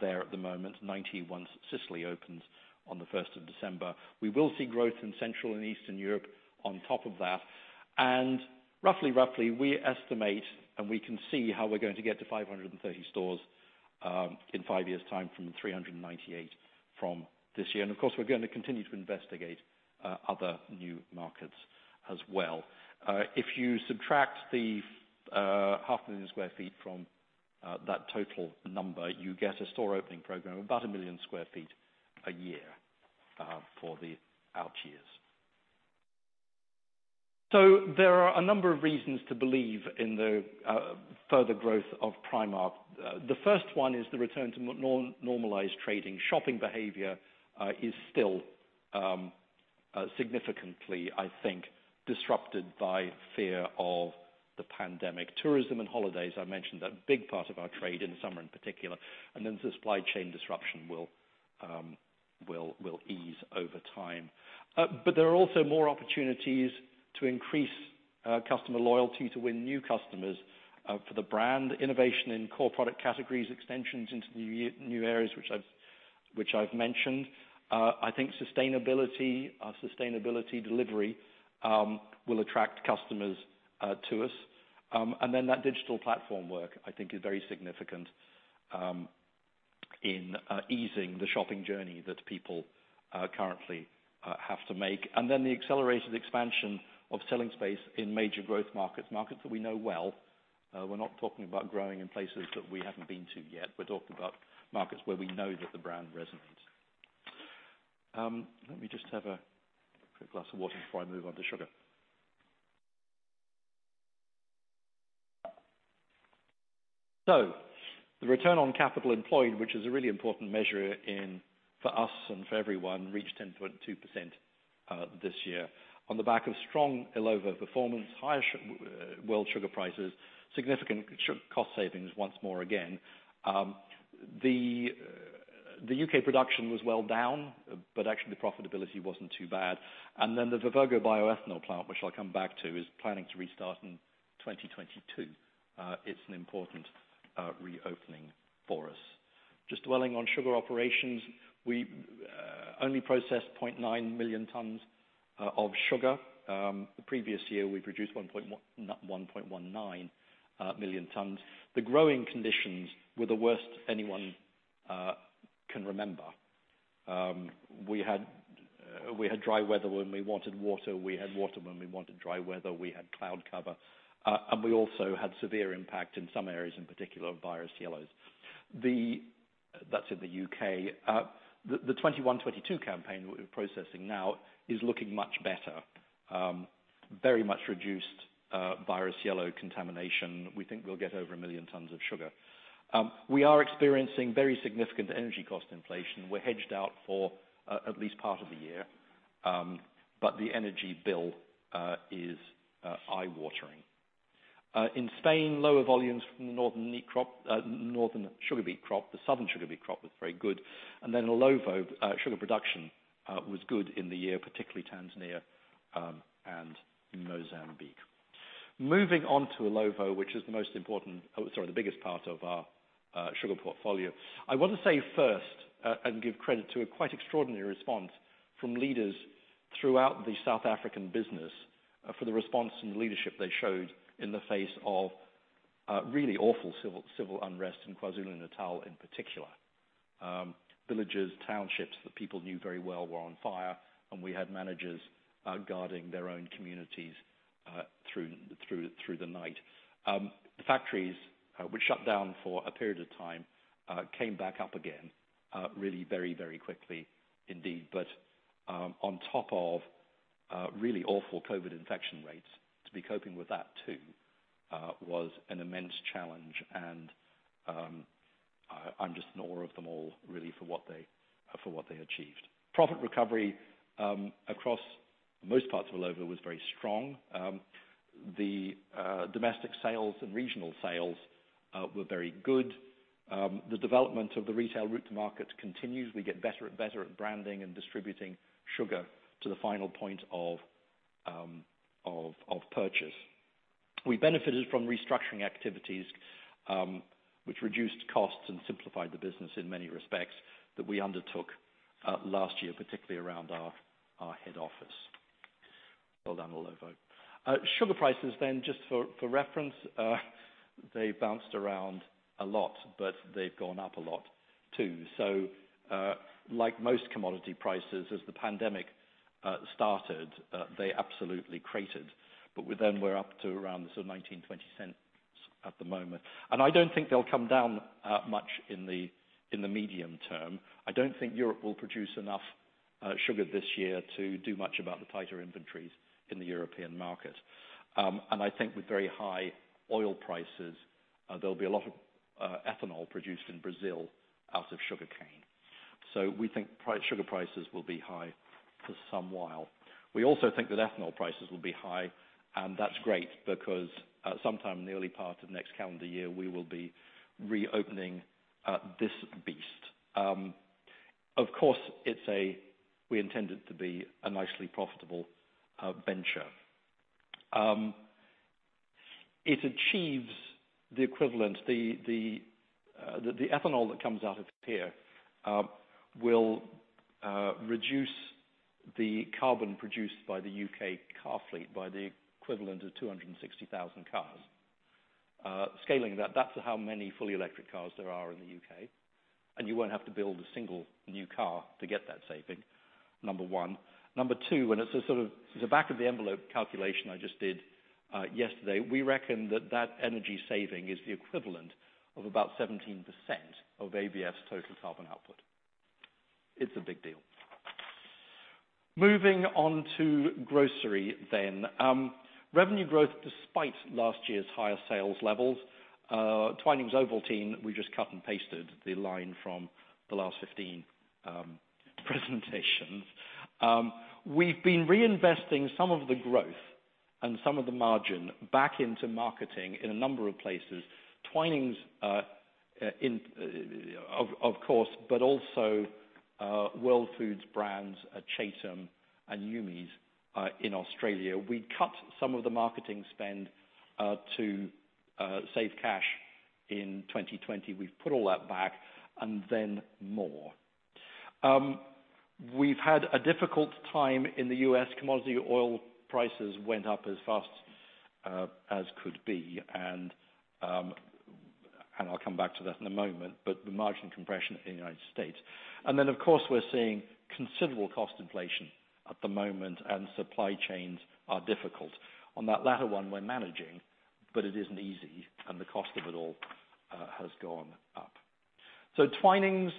there at the moment, 90 once Sicily opens on the first of December. We will see growth in Central and Eastern Europe on top of that. Roughly, we estimate and we can see how we're going to get to 530 stores in five years' time from 398 from this year. Of course, we're gonna continue to investigate other new markets as well. If you subtract the 0.5 million sq ft from that total number, you get a store opening program about 1 million sq ft a year for the out years. There are a number of reasons to believe in the further growth of Primark. The first one is the return to normalized trading. Shopping behavior is still significantly, I think, disrupted by fear of the pandemic. Tourism and holidays I mentioned are a big part of our trade in the summer in particular. Supply chain disruption will ease over time. There are also more opportunities to increase customer loyalty, to win new customers for the brand, innovation in core product categories, extensions into new areas which I've mentioned. I think sustainability, our sustainability delivery, will attract customers to us. That digital platform work, I think is very significant in easing the shopping journey that people currently have to make. The accelerated expansion of selling space in major growth markets that we know well. We're not talking about growing in places that we haven't been to yet. We're talking about markets where we know that the brand resonates. Let me just have a quick glass of water before I move on to sugar. The return on capital employed, which is a really important measure for us and for everyone, reached 10.2% this year. On the back of strong Illovo performance, higher sugar prices, significant cost savings once more again. The U.K. production was well down, but actually profitability wasn't too bad. The Vivergo bioethanol plant, which I'll come back to, is planning to restart in 2022. It's an important reopening for us. Just dwelling on sugar operations, we only processed 0.9 million tons of sugar. The previous year we produced 1.19 million tons. The growing conditions were the worst anyone can remember. We had dry weather when we wanted water, we had water when we wanted dry weather. We had cloud cover and we also had severe impact in some areas, in particular virus yellows. That's in the U.K. The 2021-2022 campaign we're processing now is looking much better. Very much reduced virus yellows contamination. We think we'll get over 1 million tons of sugar. We are experiencing very significant energy cost inflation. We're hedged out for at least part of the year, but the energy bill is eye-watering. In Spain, lower volumes from the northern sugar beet crop. The southern sugar beet crop was very good. Then Illovo sugar production was good in the year, particularly Tanzania and in Mozambique. Moving on to Illovo, which is the biggest part of our sugar portfolio. I want to say first, and give credit to a quite extraordinary response from leaders throughout the South African business, for the response and the leadership they showed in the face of really awful civil unrest in KwaZulu-Natal in particular. Villages, townships that people knew very well were on fire, and we had managers guarding their own communities through the night. The factories, which shut down for a period of time, came back up again really very quickly indeed. On top of really awful COVID infection rates, to be coping with that too was an immense challenge and I'm just in awe of them all, really, for what they achieved. Profit recovery across most parts of Illovo was very strong. The domestic sales and regional sales were very good. The development of the retail route to market continues. We get better and better at branding and distributing sugar to the final point of purchase. We benefited from restructuring activities which reduced costs and simplified the business in many respects that we undertook last year, particularly around our head office. Well done, Illovo. Sugar prices then, just for reference, they bounced around a lot, but they've gone up a lot too. Like most commodity prices, as the pandemic started, they absolutely cratered. But with them, we're up to around the sort of $0.19-$0.20 at the moment. I don't think they'll come down much in the medium term. I don't think Europe will produce enough sugar this year to do much about the tighter inventories in the European market. I think with very high oil prices, there'll be a lot of ethanol produced in Brazil out of sugarcane. We think sugar prices will be high for some while. We also think that ethanol prices will be high, and that's great because sometime in the early part of next calendar year, we will be reopening this beast. Of course, we intend it to be a nicely profitable venture. It achieves the equivalent. The ethanol that comes out of here will reduce the carbon produced by the U.K. car fleet by the equivalent of 260,000 cars. Scaling that's how many fully electric cars there are in the U.K., and you won't have to build a single new car to get that saving, number one. Number two, and it's a sort of the back of the envelope calculation I just did yesterday. We reckon that energy saving is the equivalent of about 17% of ABF's total carbon output. It's a big deal. Moving on to grocery then. Revenue growth despite last year's higher sales levels. Twinings Ovaltine, we just cut and pasted the line from the last 15 presentations. We've been reinvesting some of the growth and some of the margin back into marketing in a number of places. Twinings in, of course, but also World Foods brands, Patak's and Yumi's in Australia. We cut some of the marketing spend to save cash in 2020. We've put all that back and then more. We've had a difficult time in the U.S. Commodity oil prices went up as fast as could be, and I'll come back to that in a moment, but the margin compression in the United States. We're seeing considerable cost inflation at the moment and supply chains are difficult. On that latter one, we're managing, but it isn't easy, and the cost of it all has gone up. Twinings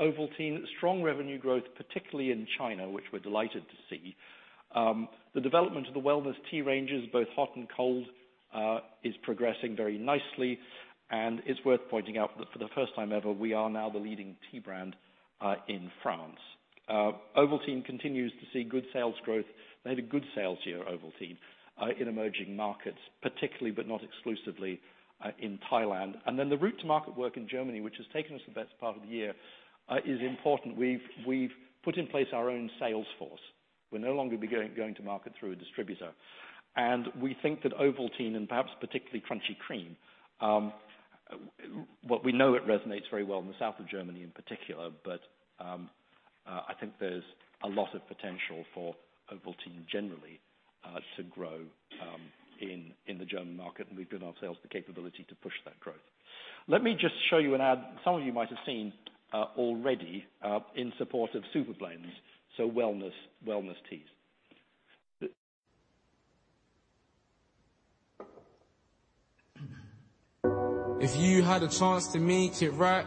Ovaltine strong revenue growth, particularly in China, which we're delighted to see. The development of the wellness tea ranges, both hot and cold, is progressing very nicely, and it's worth pointing out that for the first time ever, we are now the leading tea brand in France. Ovaltine continues to see good sales growth. They had a good sales year, Ovaltine, in emerging markets, particularly but not exclusively, in Thailand. The route to market work in Germany, which has taken us the best part of the year, is important. We've put in place our own sales force. We're no longer going to market through a distributor. We think that Ovaltine and perhaps particularly Crunchy Cream, what we know it resonates very well in the south of Germany in particular, but, I think there's a lot of potential for Ovaltine generally, to grow, in the German market, and we've given ourselves the capability to push that growth. Let me just show you an ad some of you might have seen, already, in support of Superblends, so wellness teas. If you had a chance to make it right,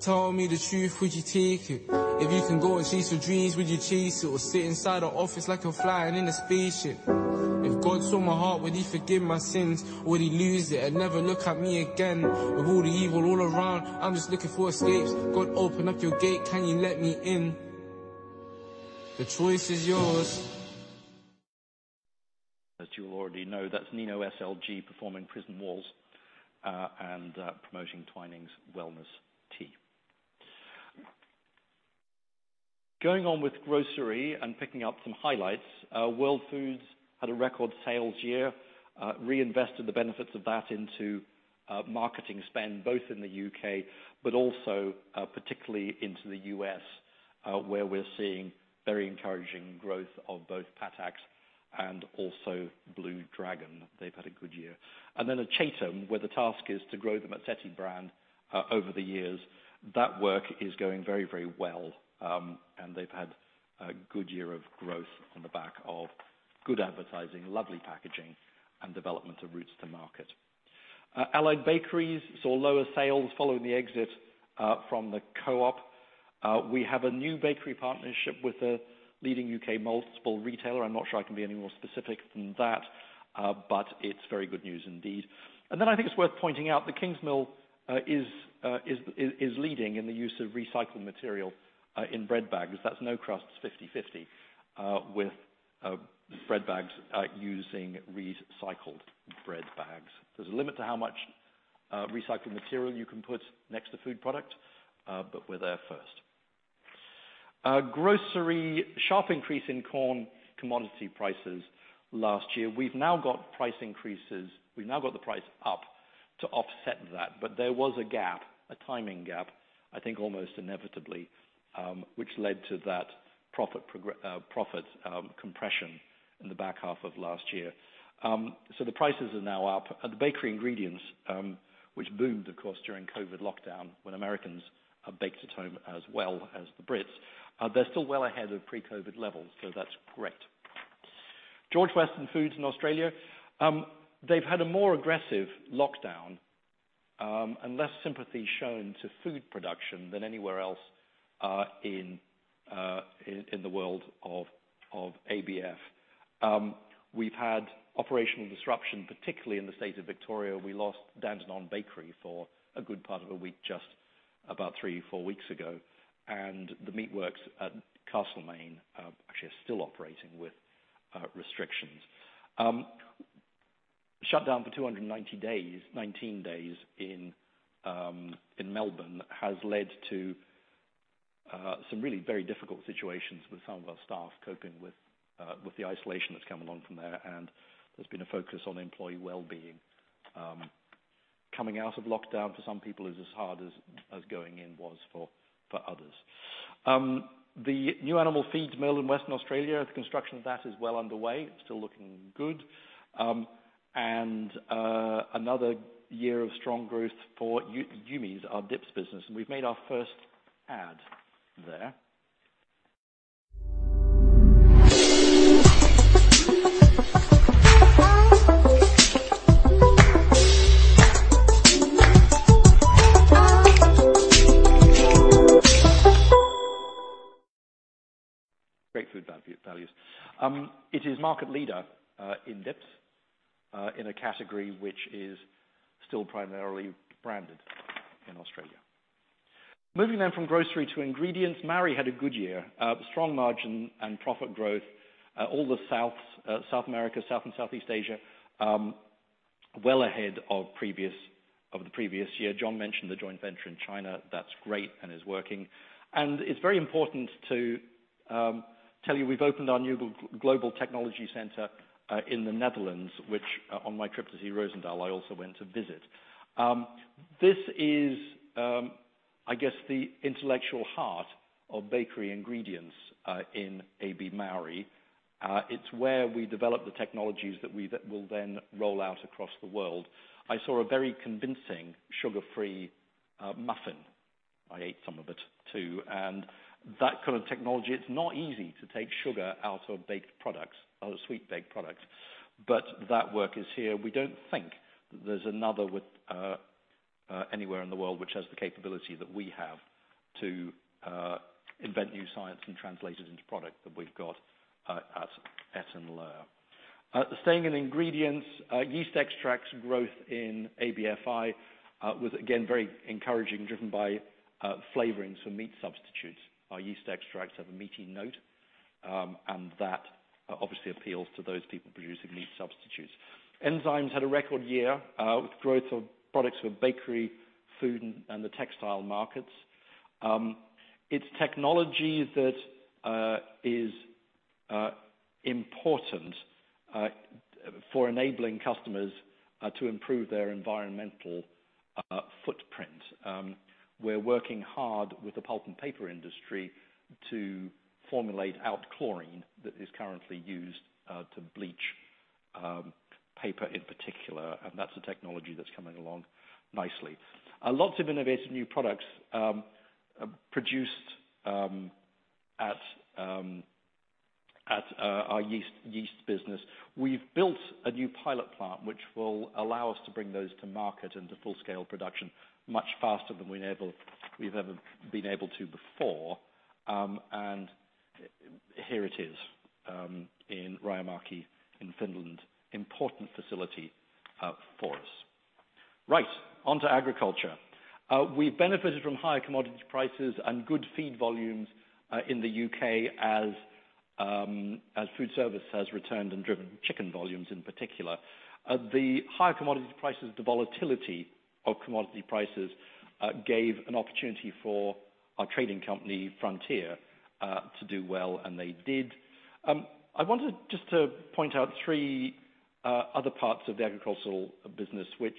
tell me the truth, would you take it? If you can go and chase your dreams, would you chase it or sit inside the office like you're flying in a spaceship? If God saw my heart, would he forgive my sins? Would he lose it and never look at me again? With all the evil all around, I'm just looking for escapes. God, open up your gate. Can you let me in? The choice is yours. As you already know, that's Nino SLG performing Prison Walls, and promoting Twinings wellness tea. Going on with grocery and picking out some highlights, World Foods had a record sales year, reinvested the benefits of that into marketing spend, both in the U.K., but also, particularly into the U.S., where we're seeing very encouraging growth of both Patak's and also Blue Dragon. They've had a good year. Then at Acetum, where the task is to grow the Mazzetti brand, over the years, that work is going very, very well, and they've had a good year of growth on the back of good advertising, lovely packaging, and development of routes to market. Allied Bakeries saw lower sales following the exit from the Co-op. We have a new bakery partnership with a leading U.K. multiple retailer. I'm not sure I can be any more specific than that, but it's very good news indeed. I think it's worth pointing out that Kingsmill is leading in the use of recycled material in bread bags. That's No Crusts 50/50 with bread bags using recycled bread bags. There's a limit to how much recycled material you can put next to food product, but we're there first. Grocery. Sharp increase in corn commodity prices last year. We've now got price increases. We've now got the price up to offset that. There was a gap, a timing gap, I think almost inevitably, which led to that profit compression in the back half of last year. The prices are now up. The bakery ingredients, which boomed, of course, during COVID lockdown when Americans baked at home as well as the Brits, they're still well ahead of pre-COVID levels, so that's great. George Weston Foods in Australia, they've had a more aggressive lockdown and less sympathy shown to food production than anywhere else in the world of ABF. We've had operational disruption, particularly in the state of Victoria. We lost Dandenong Bakery for a good part of a week, just about three, four weeks ago. The meat works at Castlemaine actually are still operating with restrictions. Shutdown for 290 days, 19 days in Melbourne has led to some really very difficult situations with some of our staff coping with the isolation that's come along from there, and there's been a focus on employee wellbeing. Coming out of lockdown for some people is as hard as going in was for others. The new animal feeds mill in Western Australia, the construction of that is well underway. Still looking good. Another year of strong growth for Yumi's, our dips business. We've made our first ad there. Great food values. It is market leader in dips in a category which is still primarily branded in Australia. Moving from grocery to ingredients. AB Mauri had a good year. Strong margin and profit growth. All the South America, South and Southeast Asia, well ahead of previous years of the previous year. John mentioned the joint venture in China. That's great and is working. It's very important to tell you we've opened our new Global Technology Center in the Netherlands, which on my trip to see Roosendaal, I also went to visit. This is, I guess, the intellectual heart of bakery ingredients in AB Mauri. It's where we develop the technologies that will then roll out across the world. I saw a very convincing sugar-free muffin. I ate some of it too. That kind of technology, it's not easy to take sugar out of baked products, out of sweet baked products. But that work is here. We don't think there's another anywhere in the world which has the capability that we have to invent new science and translate it into product that we've got at Etten-Leur. Staying in ingredients, yeast extracts growth in ABFI was again very encouraging, driven by flavorings for meat substitutes. Our yeast extracts have a meaty note and that obviously appeals to those people producing meat substitutes. Enzymes had a record year with growth of products for bakery, food, and the textile markets. It's technology that is important for enabling customers to improve their environmental footprint. We're working hard with the pulp and paper industry to formulate out chlorine that is currently used to bleach paper in particular, and that's a technology that's coming along nicely. Lots of innovative new products produced at our yeast business. We've built a new pilot plant which will allow us to bring those to market into full scale production much faster than we've ever been able to before. Here it is in Rajamäki, in Finland, important facility for us. Right, on to agriculture. We benefited from higher commodity prices and good feed volumes in the U.K. as food service has returned and driven chicken volumes in particular. The higher commodity prices, the volatility of commodity prices, gave an opportunity for our trading company, Frontier, to do well, and they did. I wanted just to point out three other parts of the agricultural business which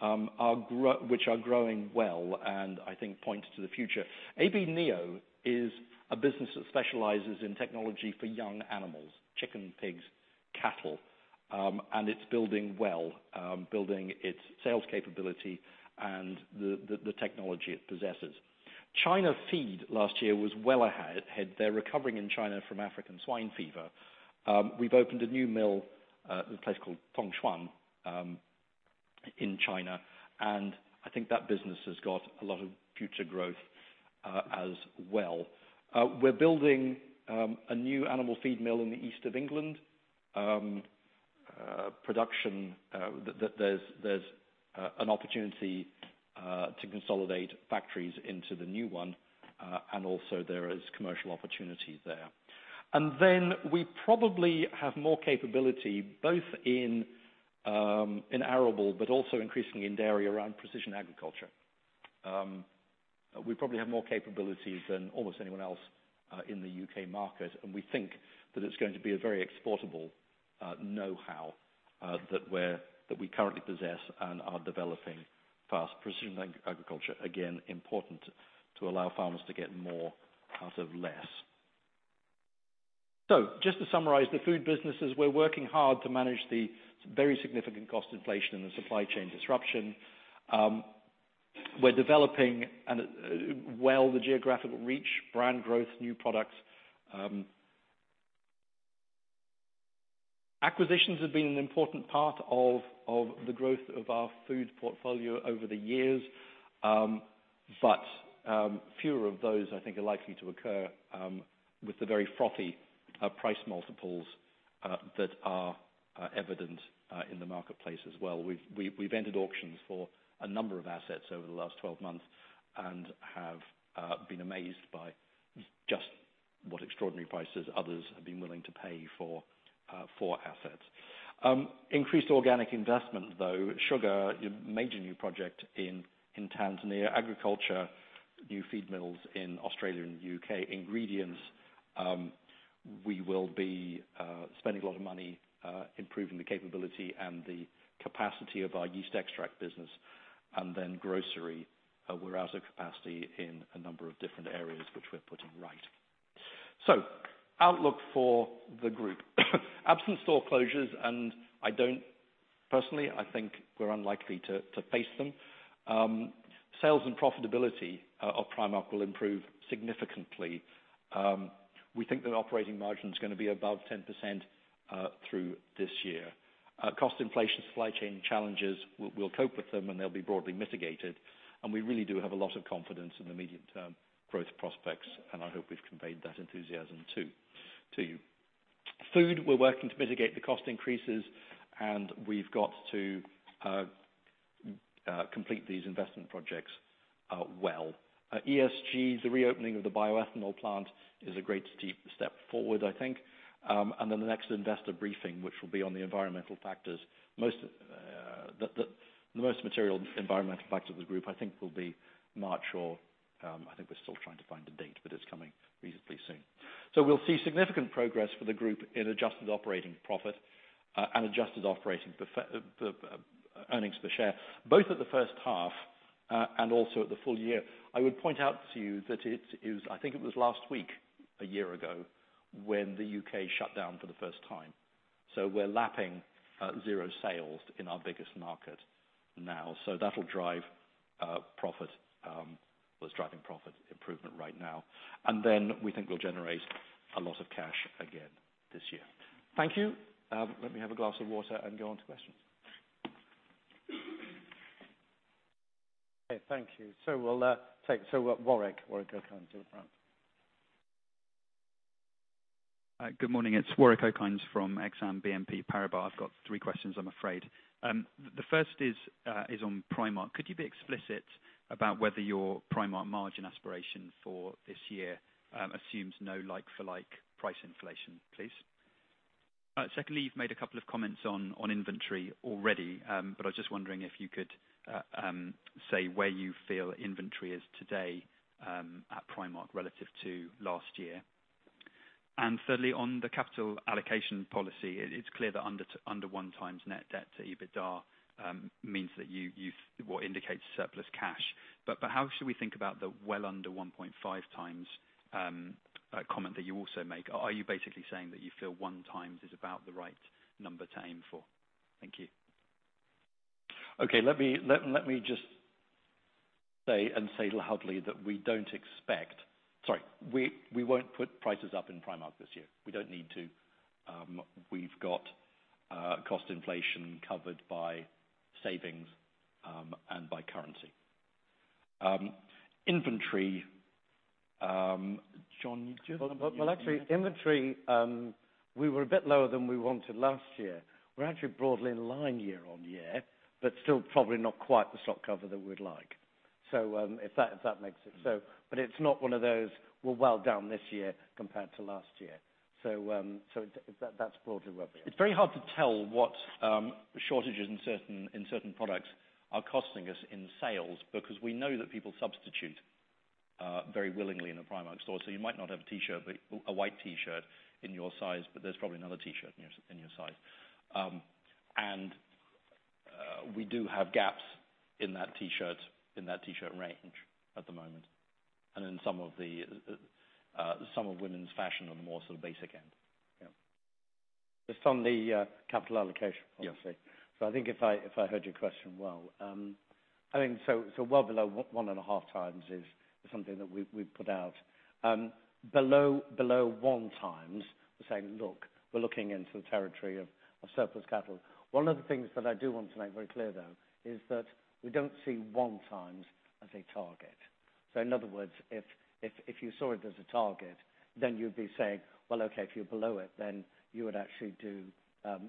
are growing well, and I think point to the future. AB Neo is a business that specializes in technology for young animals, chicken, pigs, cattle, and it's building well, building its sales capability and the technology it possesses. China Feed last year was well ahead. They're recovering in China from African swine fever. We've opened a new mill in a place called Tongxuan in China, and I think that business has got a lot of future growth as well. We're building a new animal feed mill in the east of England. Production. There's an opportunity to consolidate factories into the new one, and also there is commercial opportunities there. Then we probably have more capability, both in arable, but also increasingly in dairy around precision agriculture. We probably have more capabilities than almost anyone else in the U.K. market, and we think that it's going to be a very exportable know-how that we currently possess and are developing fast. Precision agriculture, again, important to allow farmers to get more out of less. Just to summarize the food businesses, we're working hard to manage the very significant cost inflation and the supply chain disruption. We're developing and, well, the geographical reach, brand growth, new products. Acquisitions have been an important part of the growth of our food portfolio over the years. Fewer of those, I think, are likely to occur with the very frothy price multiples that are evident in the marketplace as well. We've entered auctions for a number of assets over the last 12 months and have been amazed by just what extraordinary prices others have been willing to pay for assets. Increased organic investment, though, Sugar, a major new project in Tanzania, agriculture, new feed mills in Australia and U.K., ingredients, we will be spending a lot of money improving the capability and the capacity of our yeast extract business. Grocery, we're out of capacity in a number of different areas, which we're putting right. Outlook for the group. Absent store closures, personally, I think we're unlikely to face them. Sales and profitability of Primark will improve significantly. We think that operating margin is gonna be above 10% through this year. Cost inflation, supply chain challenges, we'll cope with them, and they'll be broadly mitigated, and we really do have a lot of confidence in the immediate term growth prospects, and I hope we've conveyed that enthusiasm to you. Food, we're working to mitigate the cost increases, and we've got to complete these investment projects. ESG, the reopening of the bioethanol plant is a great step forward, I think. The next investor briefing, which will be on the most material environmental factor of the group, I think will be March or, I think we're still trying to find a date, but it's coming reasonably soon. We'll see significant progress for the group in adjusted operating profit and earnings per share, both at the H1 and also at the full year. I would point out to you that it is, I think it was last week, a year ago, when the U.K. shut down for the first time. We're lapping zero sales in our biggest market now. That'll drive profit, what's driving profit improvement right now. Then we think we'll generate a lot of cash again this year. Thank you. Let me have a glass of water and go on to questions. Okay, thank you. We'll take Warwick Okines to the front. Good morning, it's Warwick Okines from Exane BNP Paribas. I've got three questions, I'm afraid. The first is on Primark. Could you be explicit about whether your Primark margin aspiration for this year assumes no like-for-like price inflation, please? Secondly, you've made a couple of comments on inventory already, but I'm just wondering if you could say where you feel inventory is today at Primark relative to last year. Thirdly, on the capital allocation policy, it's clear that under 1x net debt to EBITDA indicates surplus cash. How should we think about the well under 1.5x comment that you also make? Are you basically saying that you feel 1x is about the right number to aim for? Thank you. Okay. Let me just say loudly that we won't put prices up in Primark this year. We don't need to. We've got cost inflation covered by savings and by currency. Inventory, John, do you want to. Well, actually, inventory we were a bit lower than we wanted last year. We're actually broadly in line year-on-year, but still probably not quite the stock cover that we'd like. If that makes it so. It's not one of those, we're well down this year compared to last year. That's broadly where we are. It's very hard to tell what shortages in certain products are costing us in sales because we know that people substitute very willingly in the Primark store. You might not have a white T-shirt in your size, but there's probably another T-shirt in your size. We do have gaps in that T-shirt range at the moment. In some of women's fashion on the more sort of basic end. Yeah. Just on the capital allocation policy. Yes. I think if I heard your question well, I think well below 1.5x is something that we've put out. Below 1x, we're saying, look, we're looking into the territory of surplus capital. One of the things that I do want to make very clear though, is that we don't see 1x as a target. In other words, if you saw it as a target, then you'd be saying, well, okay, if you're below it, then you would actually do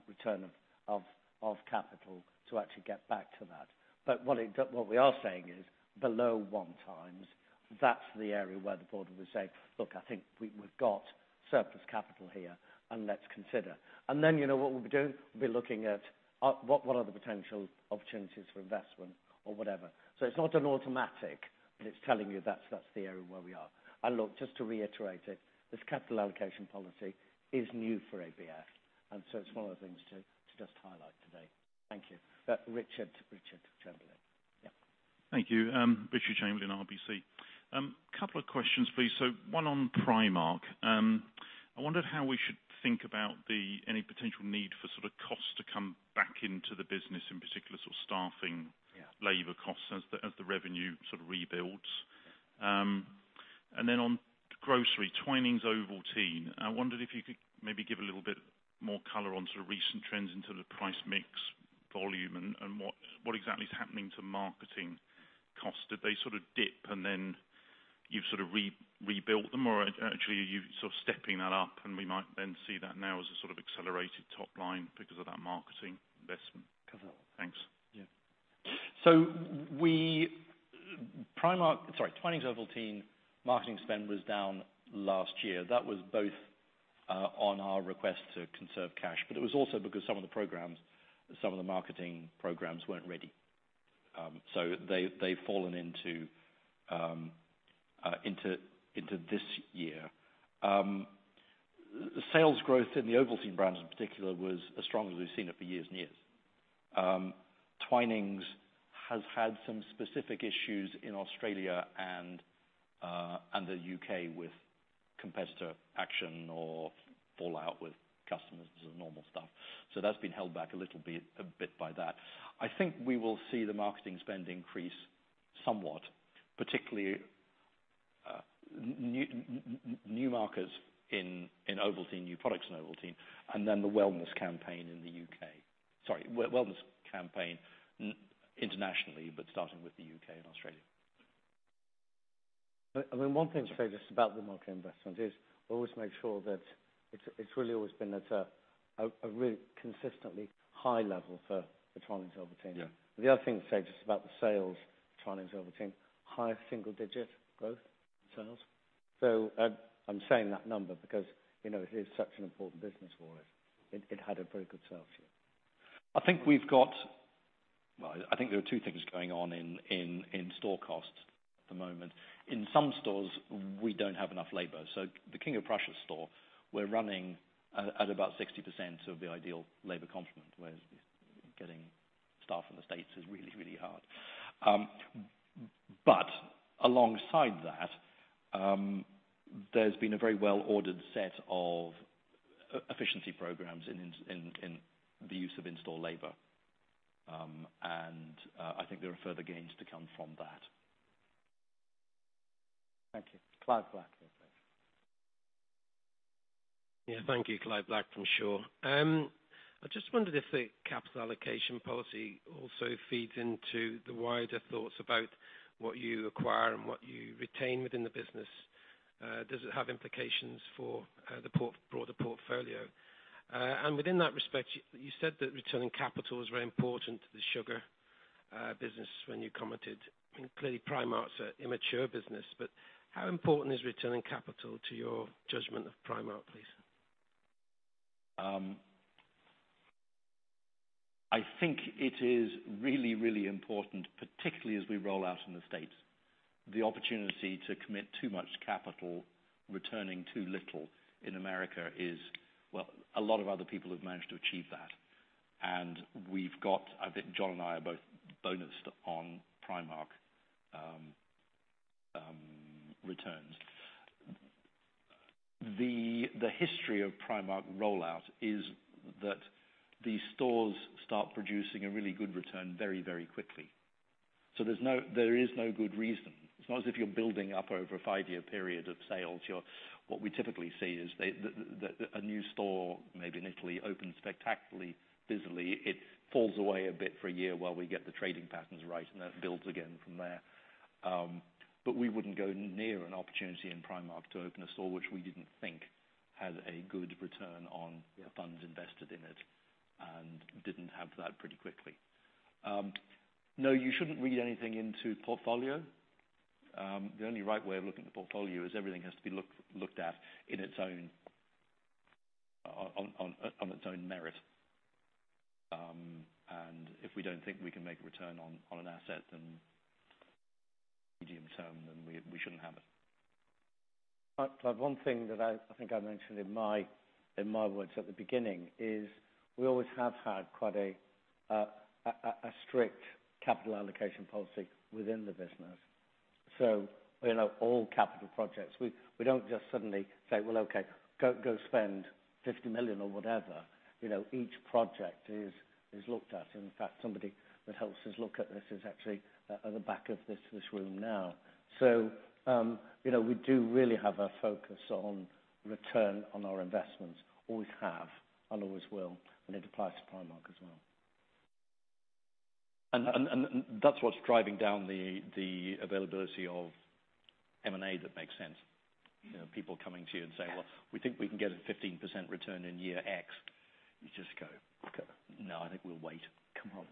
return of capital to actually get back to that. What we are saying is below one times, that's the area where the board would say, "Look, I think we've got surplus capital here, and let's consider." You know, what we'll be doing, we'll be looking at what are the potential opportunities for investment or whatever. It's not an automatic, but it's telling you that's the area where we are. Look, just to reiterate it, this capital allocation policy is new for ABF, and so it's one of the things to just highlight today. Thank you. Richard Chamberlain. Yeah. Thank you. Richard Chamberlain, RBC. Couple of questions, please. One on Primark. I wondered how we should think about the any potential need for sort of cost to come back into the business, in particular sort of staffing. Yeah. Labor costs as the revenue sort of rebuilds. On grocery, Twinings, Ovaltine. I wondered if you could maybe give a little bit more color on sort of recent trends into the price mix volume and what exactly is happening to marketing cost. Did they sort of dip and then you've sort of rebuilt them? Actually are you sort of stepping that up and we might then see that now as a sort of accelerated top line because of that marketing investment? Okay. Thanks. Yeah. Twinings, Ovaltine marketing spend was down last year. That was both on our request to conserve cash, but it was also because some of the marketing programs weren't ready. They've fallen into this year. Sales growth in the Ovaltine brands in particular was as strong as we've seen it for years and years. Twinings has had some specific issues in Australia and the U.K. with competitor action or fallout with customers, just the normal stuff. That's been held back a little bit by that. I think we will see the marketing spend increase somewhat, particularly new markets in Ovaltine, new products in Ovaltine, and then the wellness campaign in the U.K. Sorry, wellness campaign internationally, but starting with the U.K. and Australia. I mean, one thing to say just about the market investment is always make sure that it's really always been at a really consistently high level for the China and Silver team. Yeah. The other thing to say just about the sales China and Silver team, higher single-digit growth in sales. I'm saying that number because, you know, it is such an important business for us. It had a very good sales year. Well, I think there are two things going on in in-store costs at the moment. In some stores, we don't have enough labor. The King of Prussia store, we're running at about 60% of the ideal labor complement, whereas getting staff in the U.S. is really hard. But alongside that, there's been a very well-ordered set of efficiency programs in the use of in-store labor. I think there are further gains to come from that. Thank you. Clive Black. Yeah, thank you. Clive Black from Shore Capital. I just wondered if the capital allocation policy also feeds into the wider thoughts about what you acquire and what you retain within the business. Does it have implications for the broader portfolio? Within that respect, you said that returning capital is very important to the sugar business when you commented. Clearly, Primark's an immature business, but how important is returning capital to your judgment of Primark, please? I think it is really, really important, particularly as we roll out in the States, the opportunity to commit too much capital, returning too little in America is. Well, a lot of other people have managed to achieve that. I think John and I are both bonused on Primark returns. The history of Primark rollout is that these stores start producing a really good return very, very quickly. There is no good reason. It's not as if you're building up over a five-year period of sales. What we typically see is that a new store, maybe in Italy, opens spectacularly, busily. It falls away a bit for a year while we get the trading patterns right, and then it builds again from there. We wouldn't go near an opportunity in Primark to open a store which we didn't think had a good return on the funds invested in it and didn't have that pretty quickly. No, you shouldn't read anything into portfolio. The only right way of looking at the portfolio is everything has to be looked at on its own merit. If we don't think we can make a return on an asset in medium term, then we shouldn't have it. One thing that I think I mentioned in my words at the beginning is we always have had quite a strict capital allocation policy within the business. You know, all capital projects, we don't just suddenly say, "Well, okay, go spend 50 million," or whatever. You know, each project is looked at. In fact, somebody that helps us look at this is actually at the back of this room now. You know, we do really have a focus on return on our investments. Always have and always will, and it applies to Primark as well. that's what's driving down the availability of M&A that makes sense. You know, people coming to you and saying, "Well, we think we can get a 15% return in year X." You just go, "No, I think we'll wait. Come on."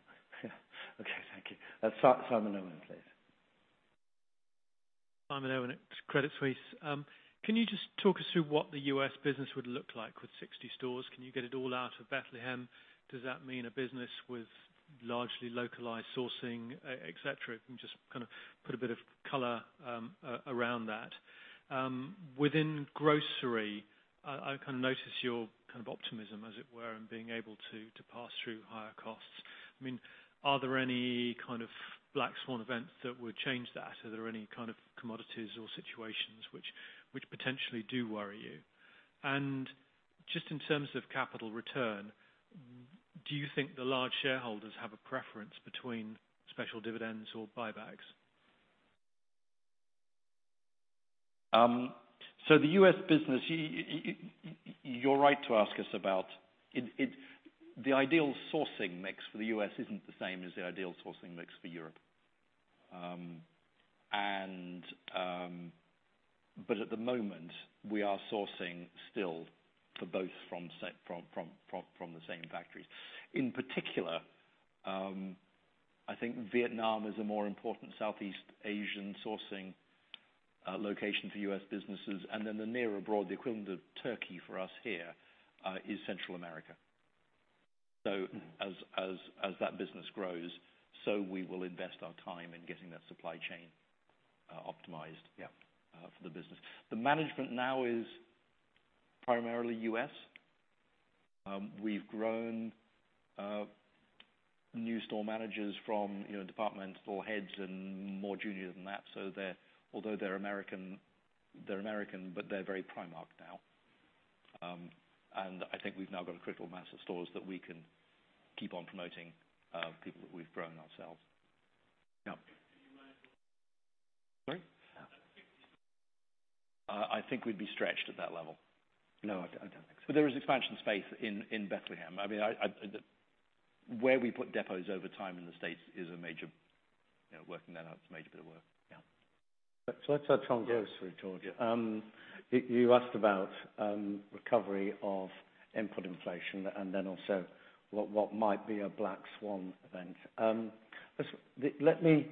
Okay, thank you. Simon Owen, please. Simon Owen, Credit Suisse. Can you just talk us through what the U.S. business would look like with 60 stores? Can you get it all out of Bethlehem? Does that mean a business with largely localized sourcing, etc.? If you can just kind of put a bit of color around that. Within grocery, I can notice your kind of optimism, as it were, in being able to pass through higher costs. I mean, are there any kind of black swan events that would change that? Are there any kind of commodities or situations which potentially do worry you? Just in terms of capital return, do you think the large shareholders have a preference between special dividends or buybacks? The U.S. business, you're right to ask us about. The ideal sourcing mix for the U.S. isn't the same as the ideal sourcing mix for Europe. But at the moment, we are still sourcing for both from the same factories. In particular, I think Vietnam is a more important Southeast Asian sourcing location for U.S. businesses. Then the nearer abroad, the equivalent of Turkey for us here, is Central America. As that business grows, we will invest our time in getting that supply chain optimized. Yeah for the business. The management now is primarily U.S. We've grown new store managers from, you know, departmental heads and more junior than that. They're, although they're American, but they're very Primark now. I think we've now got a critical mass of stores that we can keep on promoting people that we've grown ourselves. Yeah. Sorry? I think we'd be stretched at that level. No, I don't think so. There is expansion space in Bethlehem. I mean, where we put depots over time in the States is a major, you know, working that out, it's a major bit of work. Yeah. Let's go through, George. You asked about recovery of input inflation and then also what might be a black swan event. Let me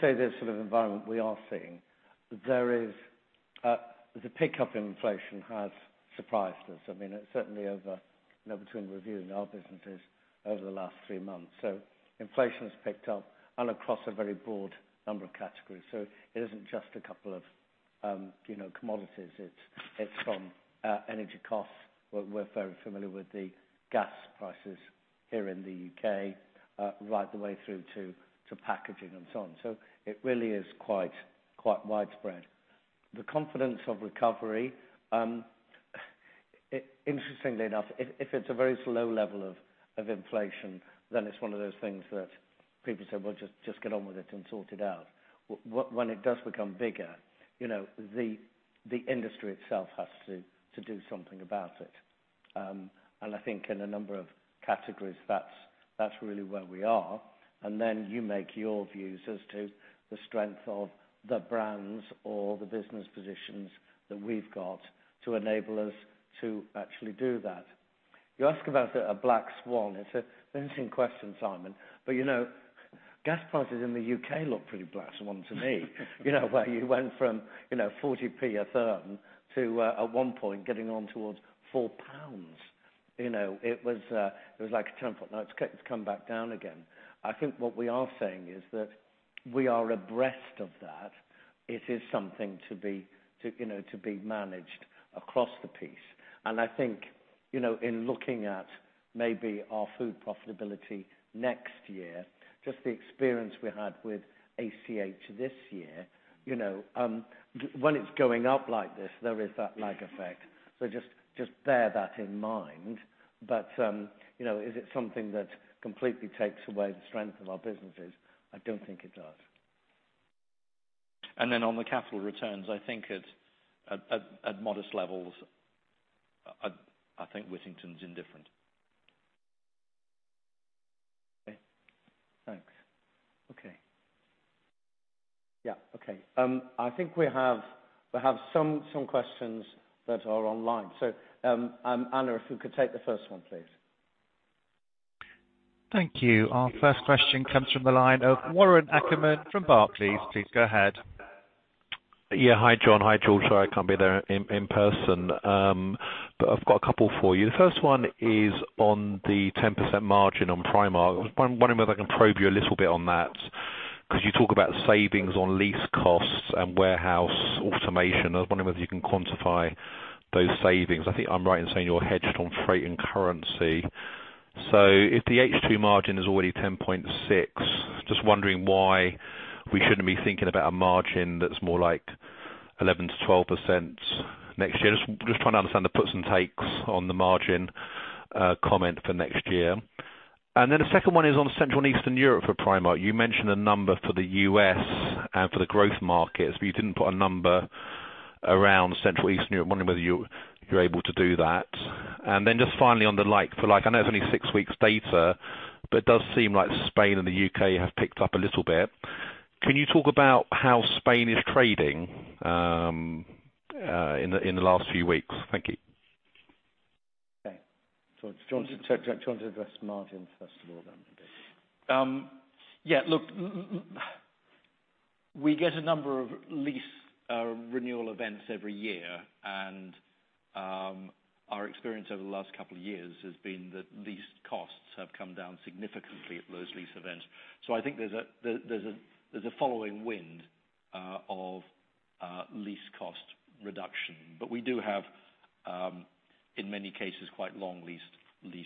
say this sort of environment we are seeing. The pickup in inflation has surprised us. I mean, certainly over you know between reviewing our businesses over the last three months. Inflation has picked up and across a very broad number of categories. It isn't just a couple of you know commodities. It's from energy costs. We're very familiar with the gas prices here in the U.K., right the way through to packaging and so on. It really is quite widespread. The confidence of recovery, interestingly enough, if it's a very slow level of inflation, then it's one of those things that people say, "Well, just get on with it and sort it out." When it does become bigger, you know, the industry itself has to do something about it. I think in a number of categories, that's really where we are. Then you make your views as to the strength of the brands or the business positions that we've got to enable us to actually do that. You ask about a black swan. It's an interesting question, Simon. You know, gas prices in the U.K. look pretty black swan to me. You know, where you went from 40p a therm to, at one point, getting on towards 4 pounds You know, it was like a tenfold. Now, it's come back down again. I think what we are saying is that we are abreast of that. It is something to be, you know, to be managed across the piece. I think, you know, in looking at maybe our food profitability next year, just the experience we had with ACH this year, you know, when it's going up like this, there is that lag effect. Just bear that in mind. You know, is it something that completely takes away the strength of our businesses? I don't think it does. On the capital returns, I think at modest levels, I think Wittington's indifferent. Okay. Thanks. Okay. Yeah, okay. I think we have some questions that are online. Anna, if you could take the first one, please. Thank you. Our first question comes from the line of Warren Ackerman from Barclays. Please go ahead. Yeah. Hi, John. Hi, George. Sorry I can't be there in person. But I've got a couple for you. The first one is on the 10% margin on Primark. I was wondering whether I can probe you a little bit on that. 'Cause you talk about savings on lease costs and warehouse automation. I was wondering whether you can quantify those savings. I think I'm right in saying you're hedged on freight and currency. If the H2 margin is already 10.6%, just wondering why we shouldn't be thinking about a margin that's more like 11%-12% next year. Just trying to understand the puts and takes on the margin comment for next year. Then the second one is on Central and Eastern Europe for Primark. You mentioned a number for the U.S. and for the growth markets, but you didn't put a number around Central Eastern Europe. I'm wondering whether you're able to do that. Just finally on the like-for-like, I know it's only six weeks data, but it does seem like Spain and the U.K. have picked up a little bit. Can you talk about how Spain is trading in the last few weeks? Thank you. Okay. Do you want to address margin first of all then? Yeah, look, we get a number of lease renewal events every year. Our experience over the last couple of years has been that lease costs have come down significantly at those lease events. I think there's a following wind of lease cost reduction. We do have, in many cases, quite long lease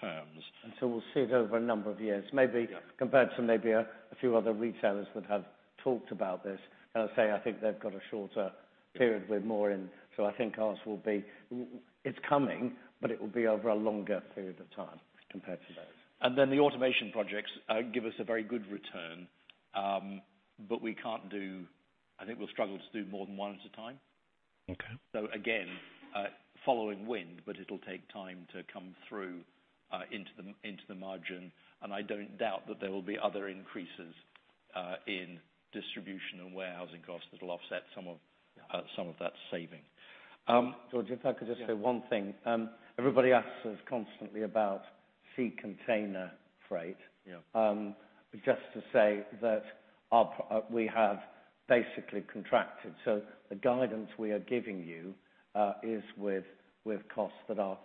terms. We'll see it over a number of years. Yeah. Compared to maybe a few other retailers that have talked about this, and I'd say I think they've got a shorter period with more in. I think ours will be, it's coming, but it will be over a longer period of time compared to those. The automation projects give us a very good return. We can't do, I think we'll struggle to do more than one at a time. Okay. Again, following wind, but it'll take time to come through into the margin. I don't doubt that there will be other increases in distribution and warehousing costs that will offset some of that saving. George, if I could just say one thing. Yeah. Everybody asks us constantly about sea container freight. Yeah. Just to say that we have basically contracted. The guidance we are giving you is with costs that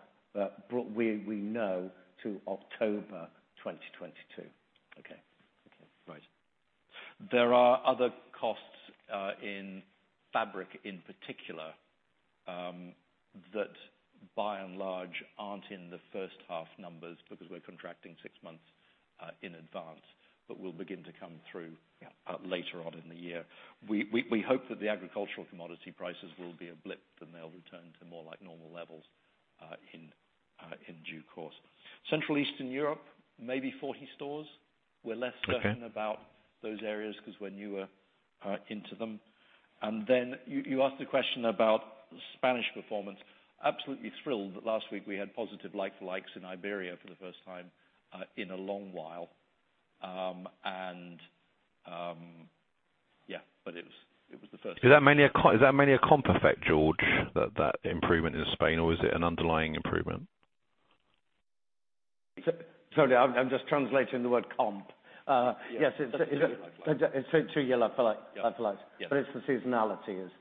we know to October 2022. Okay, right. There are other costs in fabric in particular that by and large aren't in the H1 numbers because we're contracting six months in advance, but will begin to come through later on in the year. We hope that the agricultural commodity prices will be a blip, and they'll return to more like normal levels in due course. Central Eastern Europe, maybe 40 stores. We're less certain about those areas because we're newer into them. Then you asked a question about Spanish performance. Absolutely thrilled that last week we had positive like-for-likes in Iberia for the first time in a long while, but it was the first Is that mainly a comp effect, George? That improvement in Spain, or was it an underlying improvement? Sorry, I'm just translating the word comp. Yes, it's two-year like-for-like. Yeah. It's the seasonality is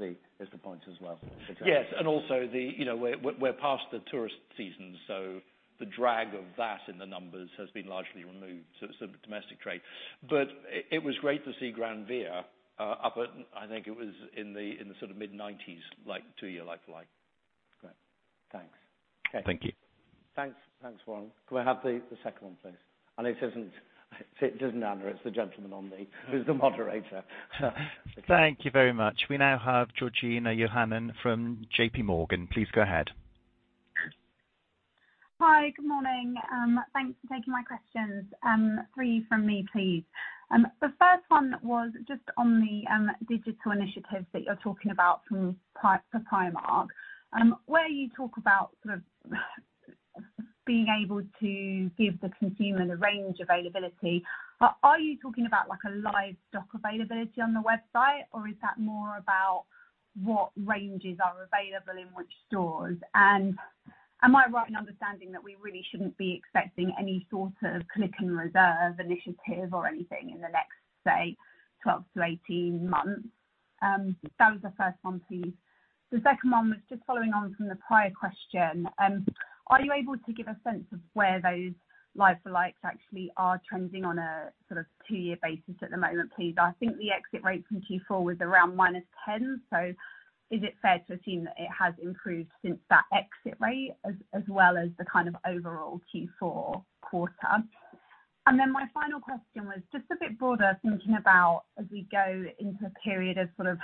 the point as well. Yes. Also, you know, we're past the tourist season, so the drag of that in the numbers has been largely removed, so it's sort of domestic trade. It was great to see Gran Vía up at, I think, in the sort of mid-90s% like-for-like two-year like-for-like. Great. Thanks. Okay. Thank you. Thanks. Thanks, Warren. Can we have the second one, please? It isn't Anna, it's the gentleman on the who's the moderator. Thank you very much. We now have Georgina Johanan from JPMorgan. Please go ahead. Hi. Good morning. Thanks for taking my questions. Three from me, please. The first one was just on the digital initiatives that you're talking about for Primark. Where you talk about sort of being able to give the consumer the range availability, are you talking about, like, a live stock availability on the website, or is that more about what ranges are available in which stores? And am I right in understanding that we really shouldn't be expecting any sort of click and reserve initiative or anything in the next, say, 12-18 months? That was the first one, please. The second one was just following on from the prior question. Are you able to give a sense of where those like-for-likes actually are trending on a sort of two-year basis at the moment, please? I think the exit rate from Q4 was around -10%, so is it fair to assume that it has improved since that exit rate as well as the kind of overall Q4 quarter? Then my final question was just a bit broader, thinking about as we go into a period of sort of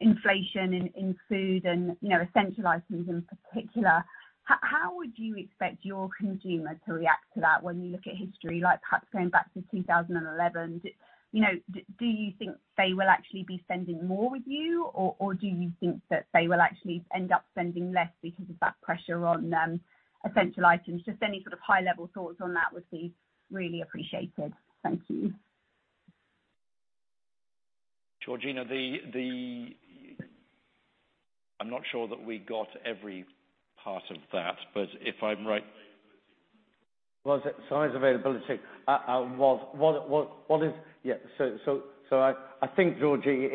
inflation in food and, you know, essential items in particular, how would you expect your consumer to react to that when you look at history, like perhaps going back to 2011? Do you know, do you think they will actually be spending more with you or do you think that they will actually end up spending less because of that pressure on essential items? Just any sort of high level thoughts on that would be really appreciated. Thank you. Georgina, I'm not sure that we got every part of that, but if I'm right. Was it size, availability? Yeah, so I think Georgina,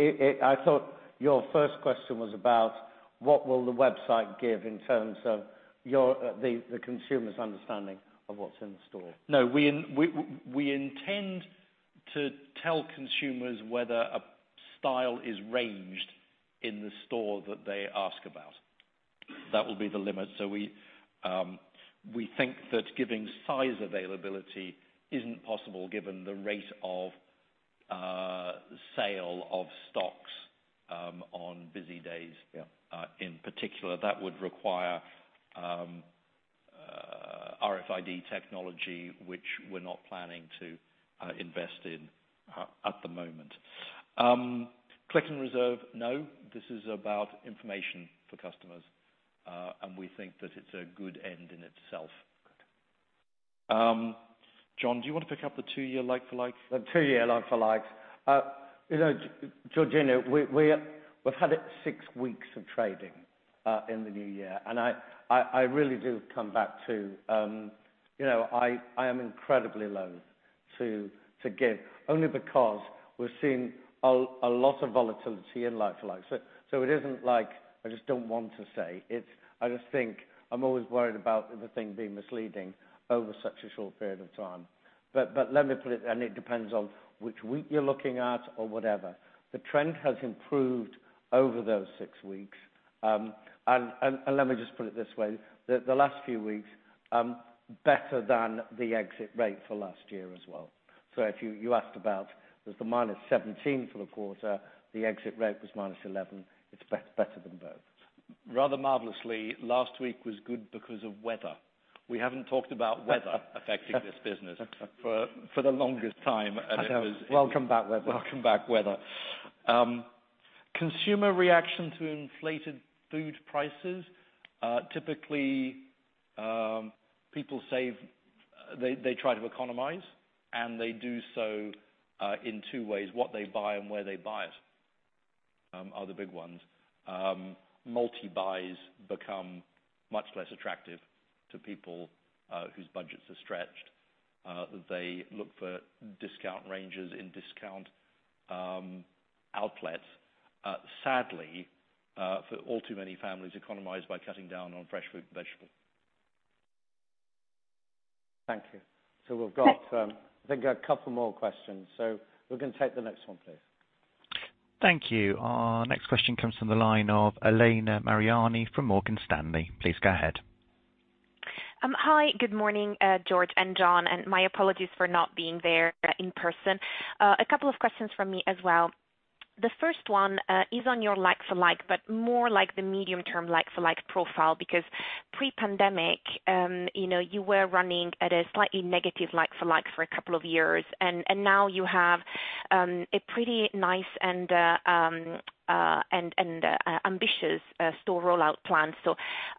I thought your first question was about what will the website give in terms of your, the consumer's understanding of what's in store. No, we intend to tell consumers whether a style is ranged in the store that they ask about. That will be the limit. We think that giving size availability isn't possible given the rate of sale of stocks on busy days. Yeah. In particular. That would require RFID technology, which we're not planning to invest in at the moment. Click and reserve, no. This is about information for customers, and we think that it's a good end in itself. John, do you want to pick up the two-year like-for-likes? The two-year like-for-likes. You know, Georgina, we've had six weeks of trading in the new year. I really do come back to, you know, I am incredibly loath to give only because we're seeing a lot of volatility in like-for-likes. It isn't like I just don't want to say. It's. I just think I'm always worried about the thing being misleading over such a short period of time. Let me put it. It depends on which week you're looking at or whatever. The trend has improved over those six weeks. Let me just put it this way, the last few weeks better than the exit rate for last year as well. If you asked about the -17% for the quarter, the exit rate was -11%. It's better than both. Rather marvelously, last week was good because of weather. We haven't talked about weather affecting this business for the longest time. It was Welcome back, weather. Welcome back, whether. Consumer reaction to inflated food prices typically people save, they try to economize, and they do so in two ways, what they buy and where they buy it are the big ones. Multi-buys become much less attractive to people whose budgets are stretched. They look for discount ranges in discount outlets. Sadly, for all too many families economize by cutting down on fresh fruit and vegetables. Thank you. We've got, I think a couple more questions. We can take the next one, please. Thank you. Our next question comes from the line of Elena Mariani from Morgan Stanley. Please go ahead. Hi. Good morning, George and John, and my apologies for not being there in person. A couple of questions from me as well. The first one is on your like-for-like, but more like the medium-term like-for-like profile, because pre-pandemic, you know, you were running at a slightly negative like-for-like for a couple of years. Now you have a pretty nice and ambitious store rollout plan.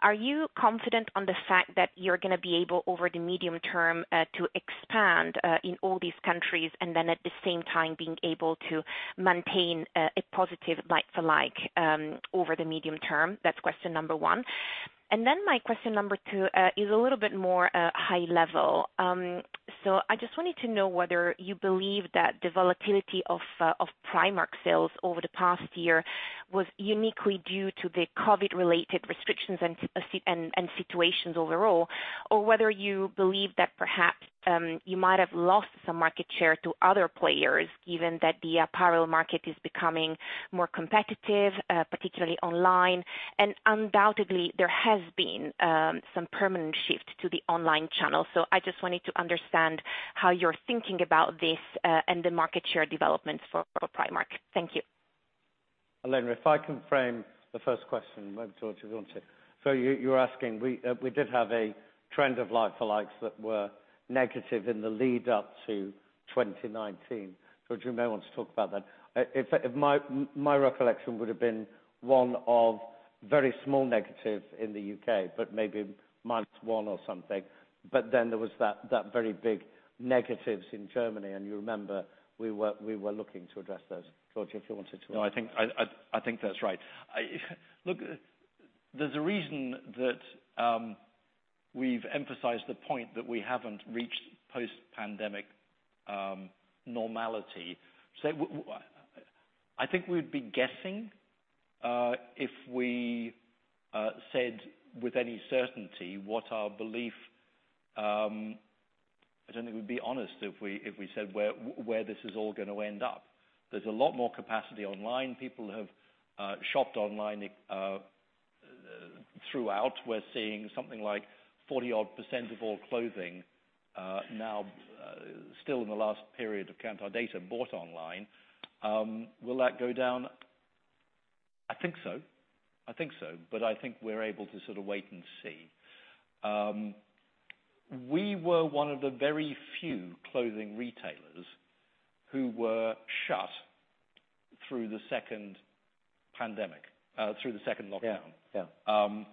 Are you confident on the fact that you're gonna be able, over the medium term, to expand in all these countries, and then at the same time being able to maintain a positive like-for-like over the medium term? That's question number one. My question number two is a little bit more high-level. I just wanted to know whether you believe that the volatility of Primark sales over the past year was uniquely due to the COVID-related restrictions and situations overall, or whether you believe that perhaps you might have lost some market share to other players given that the apparel market is becoming more competitive, particularly online. Undoubtedly, there has been some permanent shift to the online channel. I just wanted to understand how you're thinking about this and the market share developments for Primark. Thank you. Elena, if I can frame the first question, maybe George you want it. You're asking, we did have a trend of like-for-likes that were negative in the lead up to 2019. George, you may want to talk about that. In fact, my recollection would've been one of very small negative in the U.K., but maybe -1% or something. Then there was that very big negatives in Germany, and you remember we were looking to address those. George, if you wanted to. No, I think that's right. I look, there's a reason that we've emphasized the point that we haven't reached post-pandemic normality. I think we'd be guessing if we said with any certainty what our belief. I don't think we'd be honest if we said where this is all gonna end up. There's a lot more capacity online. People have shopped online throughout. We're seeing something like 40-odd% of all clothing now still in the last period according to our data bought online. Will that go down? I think so. But I think we're able to sort of wait and see. We were one of the very few clothing retailers who were shut through the second pandemic through the second lockdown. Yeah. Yeah.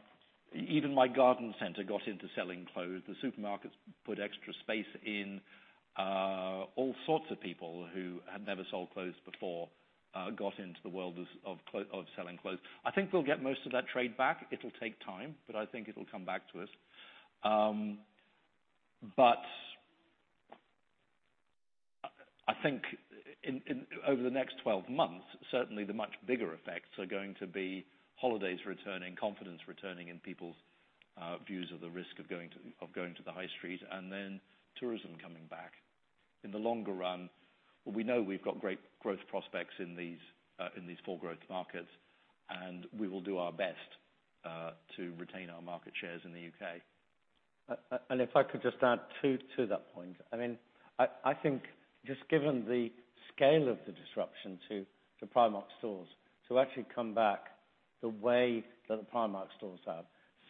Even my garden center got into selling clothes. The supermarkets put extra space in. All sorts of people who had never sold clothes before got into the world of selling clothes. I think we'll get most of that trade back. It'll take time, but I think it'll come back to us. I think over the next 12 months, certainly the much bigger effects are going to be holidays returning, confidence returning in people's views of the risk of going to the high street, and then tourism coming back. In the longer run, we know we've got great growth prospects in these four growth markets, and we will do our best to retain our market shares in the U.K. If I could just add to that point, I mean, I think just given the scale of the disruption to Primark stores, to actually come back the way that the Primark stores have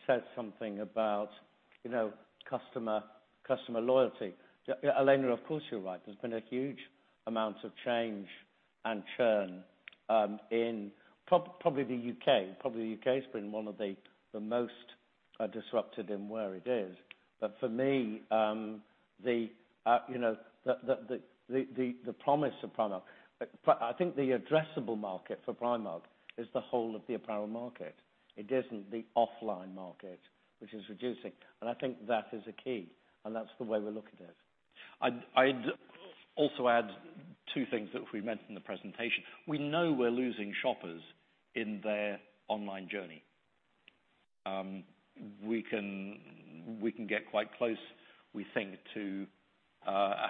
said something about, you know, customer loyalty. Yeah, Elena, of course, you're right. There's been a huge amount of change and churn in probably the U.K. Probably the U.K.'s been one of the most disrupted in where it is. But for me, you know, the promise of Primark, I think the addressable market for Primark is the whole of the apparel market. It isn't the offline market, which is reducing, and I think that is a key, and that's the way we look at it. I'd also add two things that we mentioned in the presentation. We know we're losing shoppers in their online journey. We can get quite close, we think, to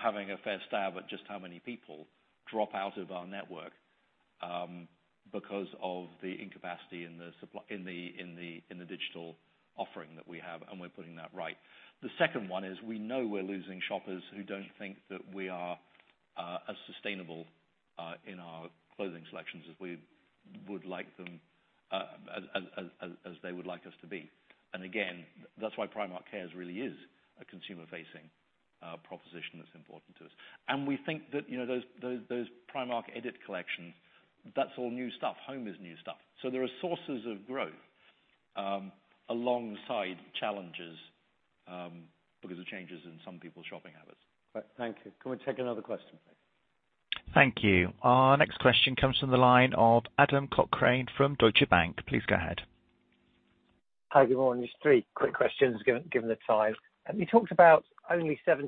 having a fair stab at just how many people drop out of our network because of the incapacity in the supply in the digital offering that we have, and we're putting that right. The second one is we know we're losing shoppers who don't think that we are as sustainable in our clothing selections as we would like them as they would like us to be. Again, that's why Primark Cares really is a consumer-facing proposition that's important to us. We think that those Primark Edit collections, that's all new stuff. Home is new stuff. There are sources of growth, alongside challenges, because of changes in some people's shopping habits. Right. Thank you. Can we take another question? Thank you. Our next question comes from the line of Adam Cochrane from Deutsche Bank. Please go ahead. Hi. Good morning. Just three quick questions given the time. You talked about only 70%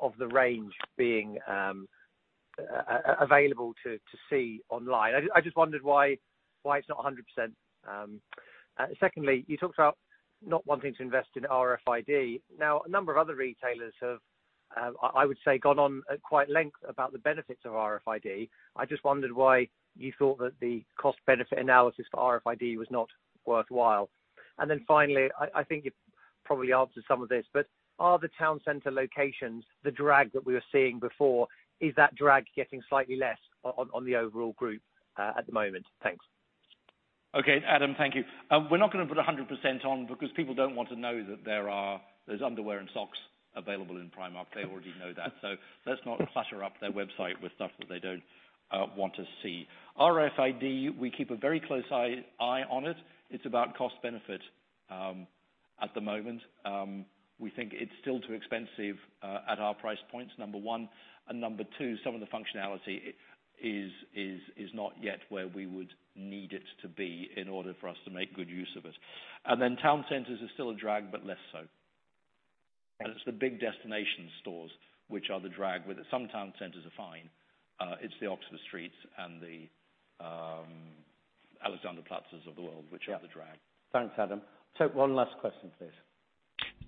of the range being available to see online. I just wondered why it's not 100%. Secondly, you talked about not wanting to invest in RFID. Now, a number of other retailers have, I would say, gone on at quite length about the benefits of RFID. I just wondered why you thought that the cost-benefit analysis for RFID was not worthwhile. Then finally, I think you've probably answered some of this, but are the town center locations the drag that we were seeing before? Is that drag getting slightly less on the overall group at the moment? Thanks. Okay, Adam, thank you. We're not gonna put 100% on because people don't want to know that there's underwear and socks available in Primark. They already know that. Let's not clutter up their website with stuff that they don't want to see. RFID, we keep a very close eye on it. It's about cost benefit. At the moment, we think it's still too expensive at our price points, number one. Number two, some of the functionality is not yet where we would need it to be in order for us to make good use of it. Then town centers are still a drag, but less so. It's the big destination stores which are the drag. While some town centers are fine, it's the Oxford Streets and the Alexanderplatz of the world, which are the drag. Yeah. Thanks, Adam. Take one last question, please.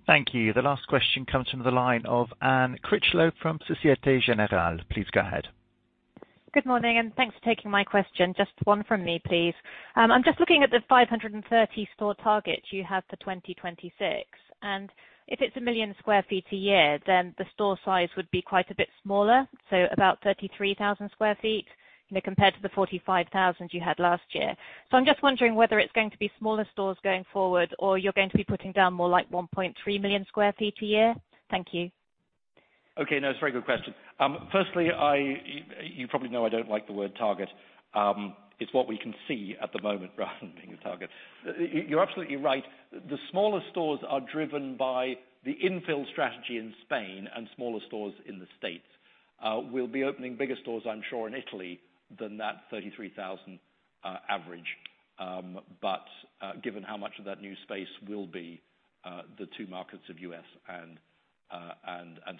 Thank you. The last question comes from the line of Anne Critchlow from Société Générale. Please go ahead. Good morning and thanks for taking my question. Just one from me, please. I'm just looking at the 530 store targets you have for 2026, and if it's 1 million sq ft a year, then the store size would be quite a bit smaller, so about 33,000 sq ft, you know, compared to the 45,000 you had last year. I'm just wondering whether it's going to be smaller stores going forward or you're going to be putting down more like 1.3 million sq ft a year. Thank you. Okay. No, it's a very good question. Firstly, you probably know I don't like the word target. It's what we can see at the moment rather than being a target. You're absolutely right. The smaller stores are driven by the infill strategy in Spain and smaller stores in the States. We'll be opening bigger stores, I'm sure, in Italy than that 33,000 average. But given how much of that new space will be the two markets of U.S. and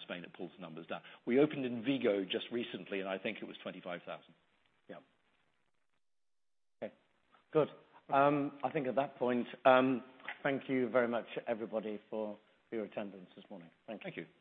Spain, it pulls the numbers down. We opened in Vigo just recently, and I think it was 25,000. Yeah. Okay, good. I think at that point, thank you very much, everybody, for your attendance this morning. Thank you. Thank you.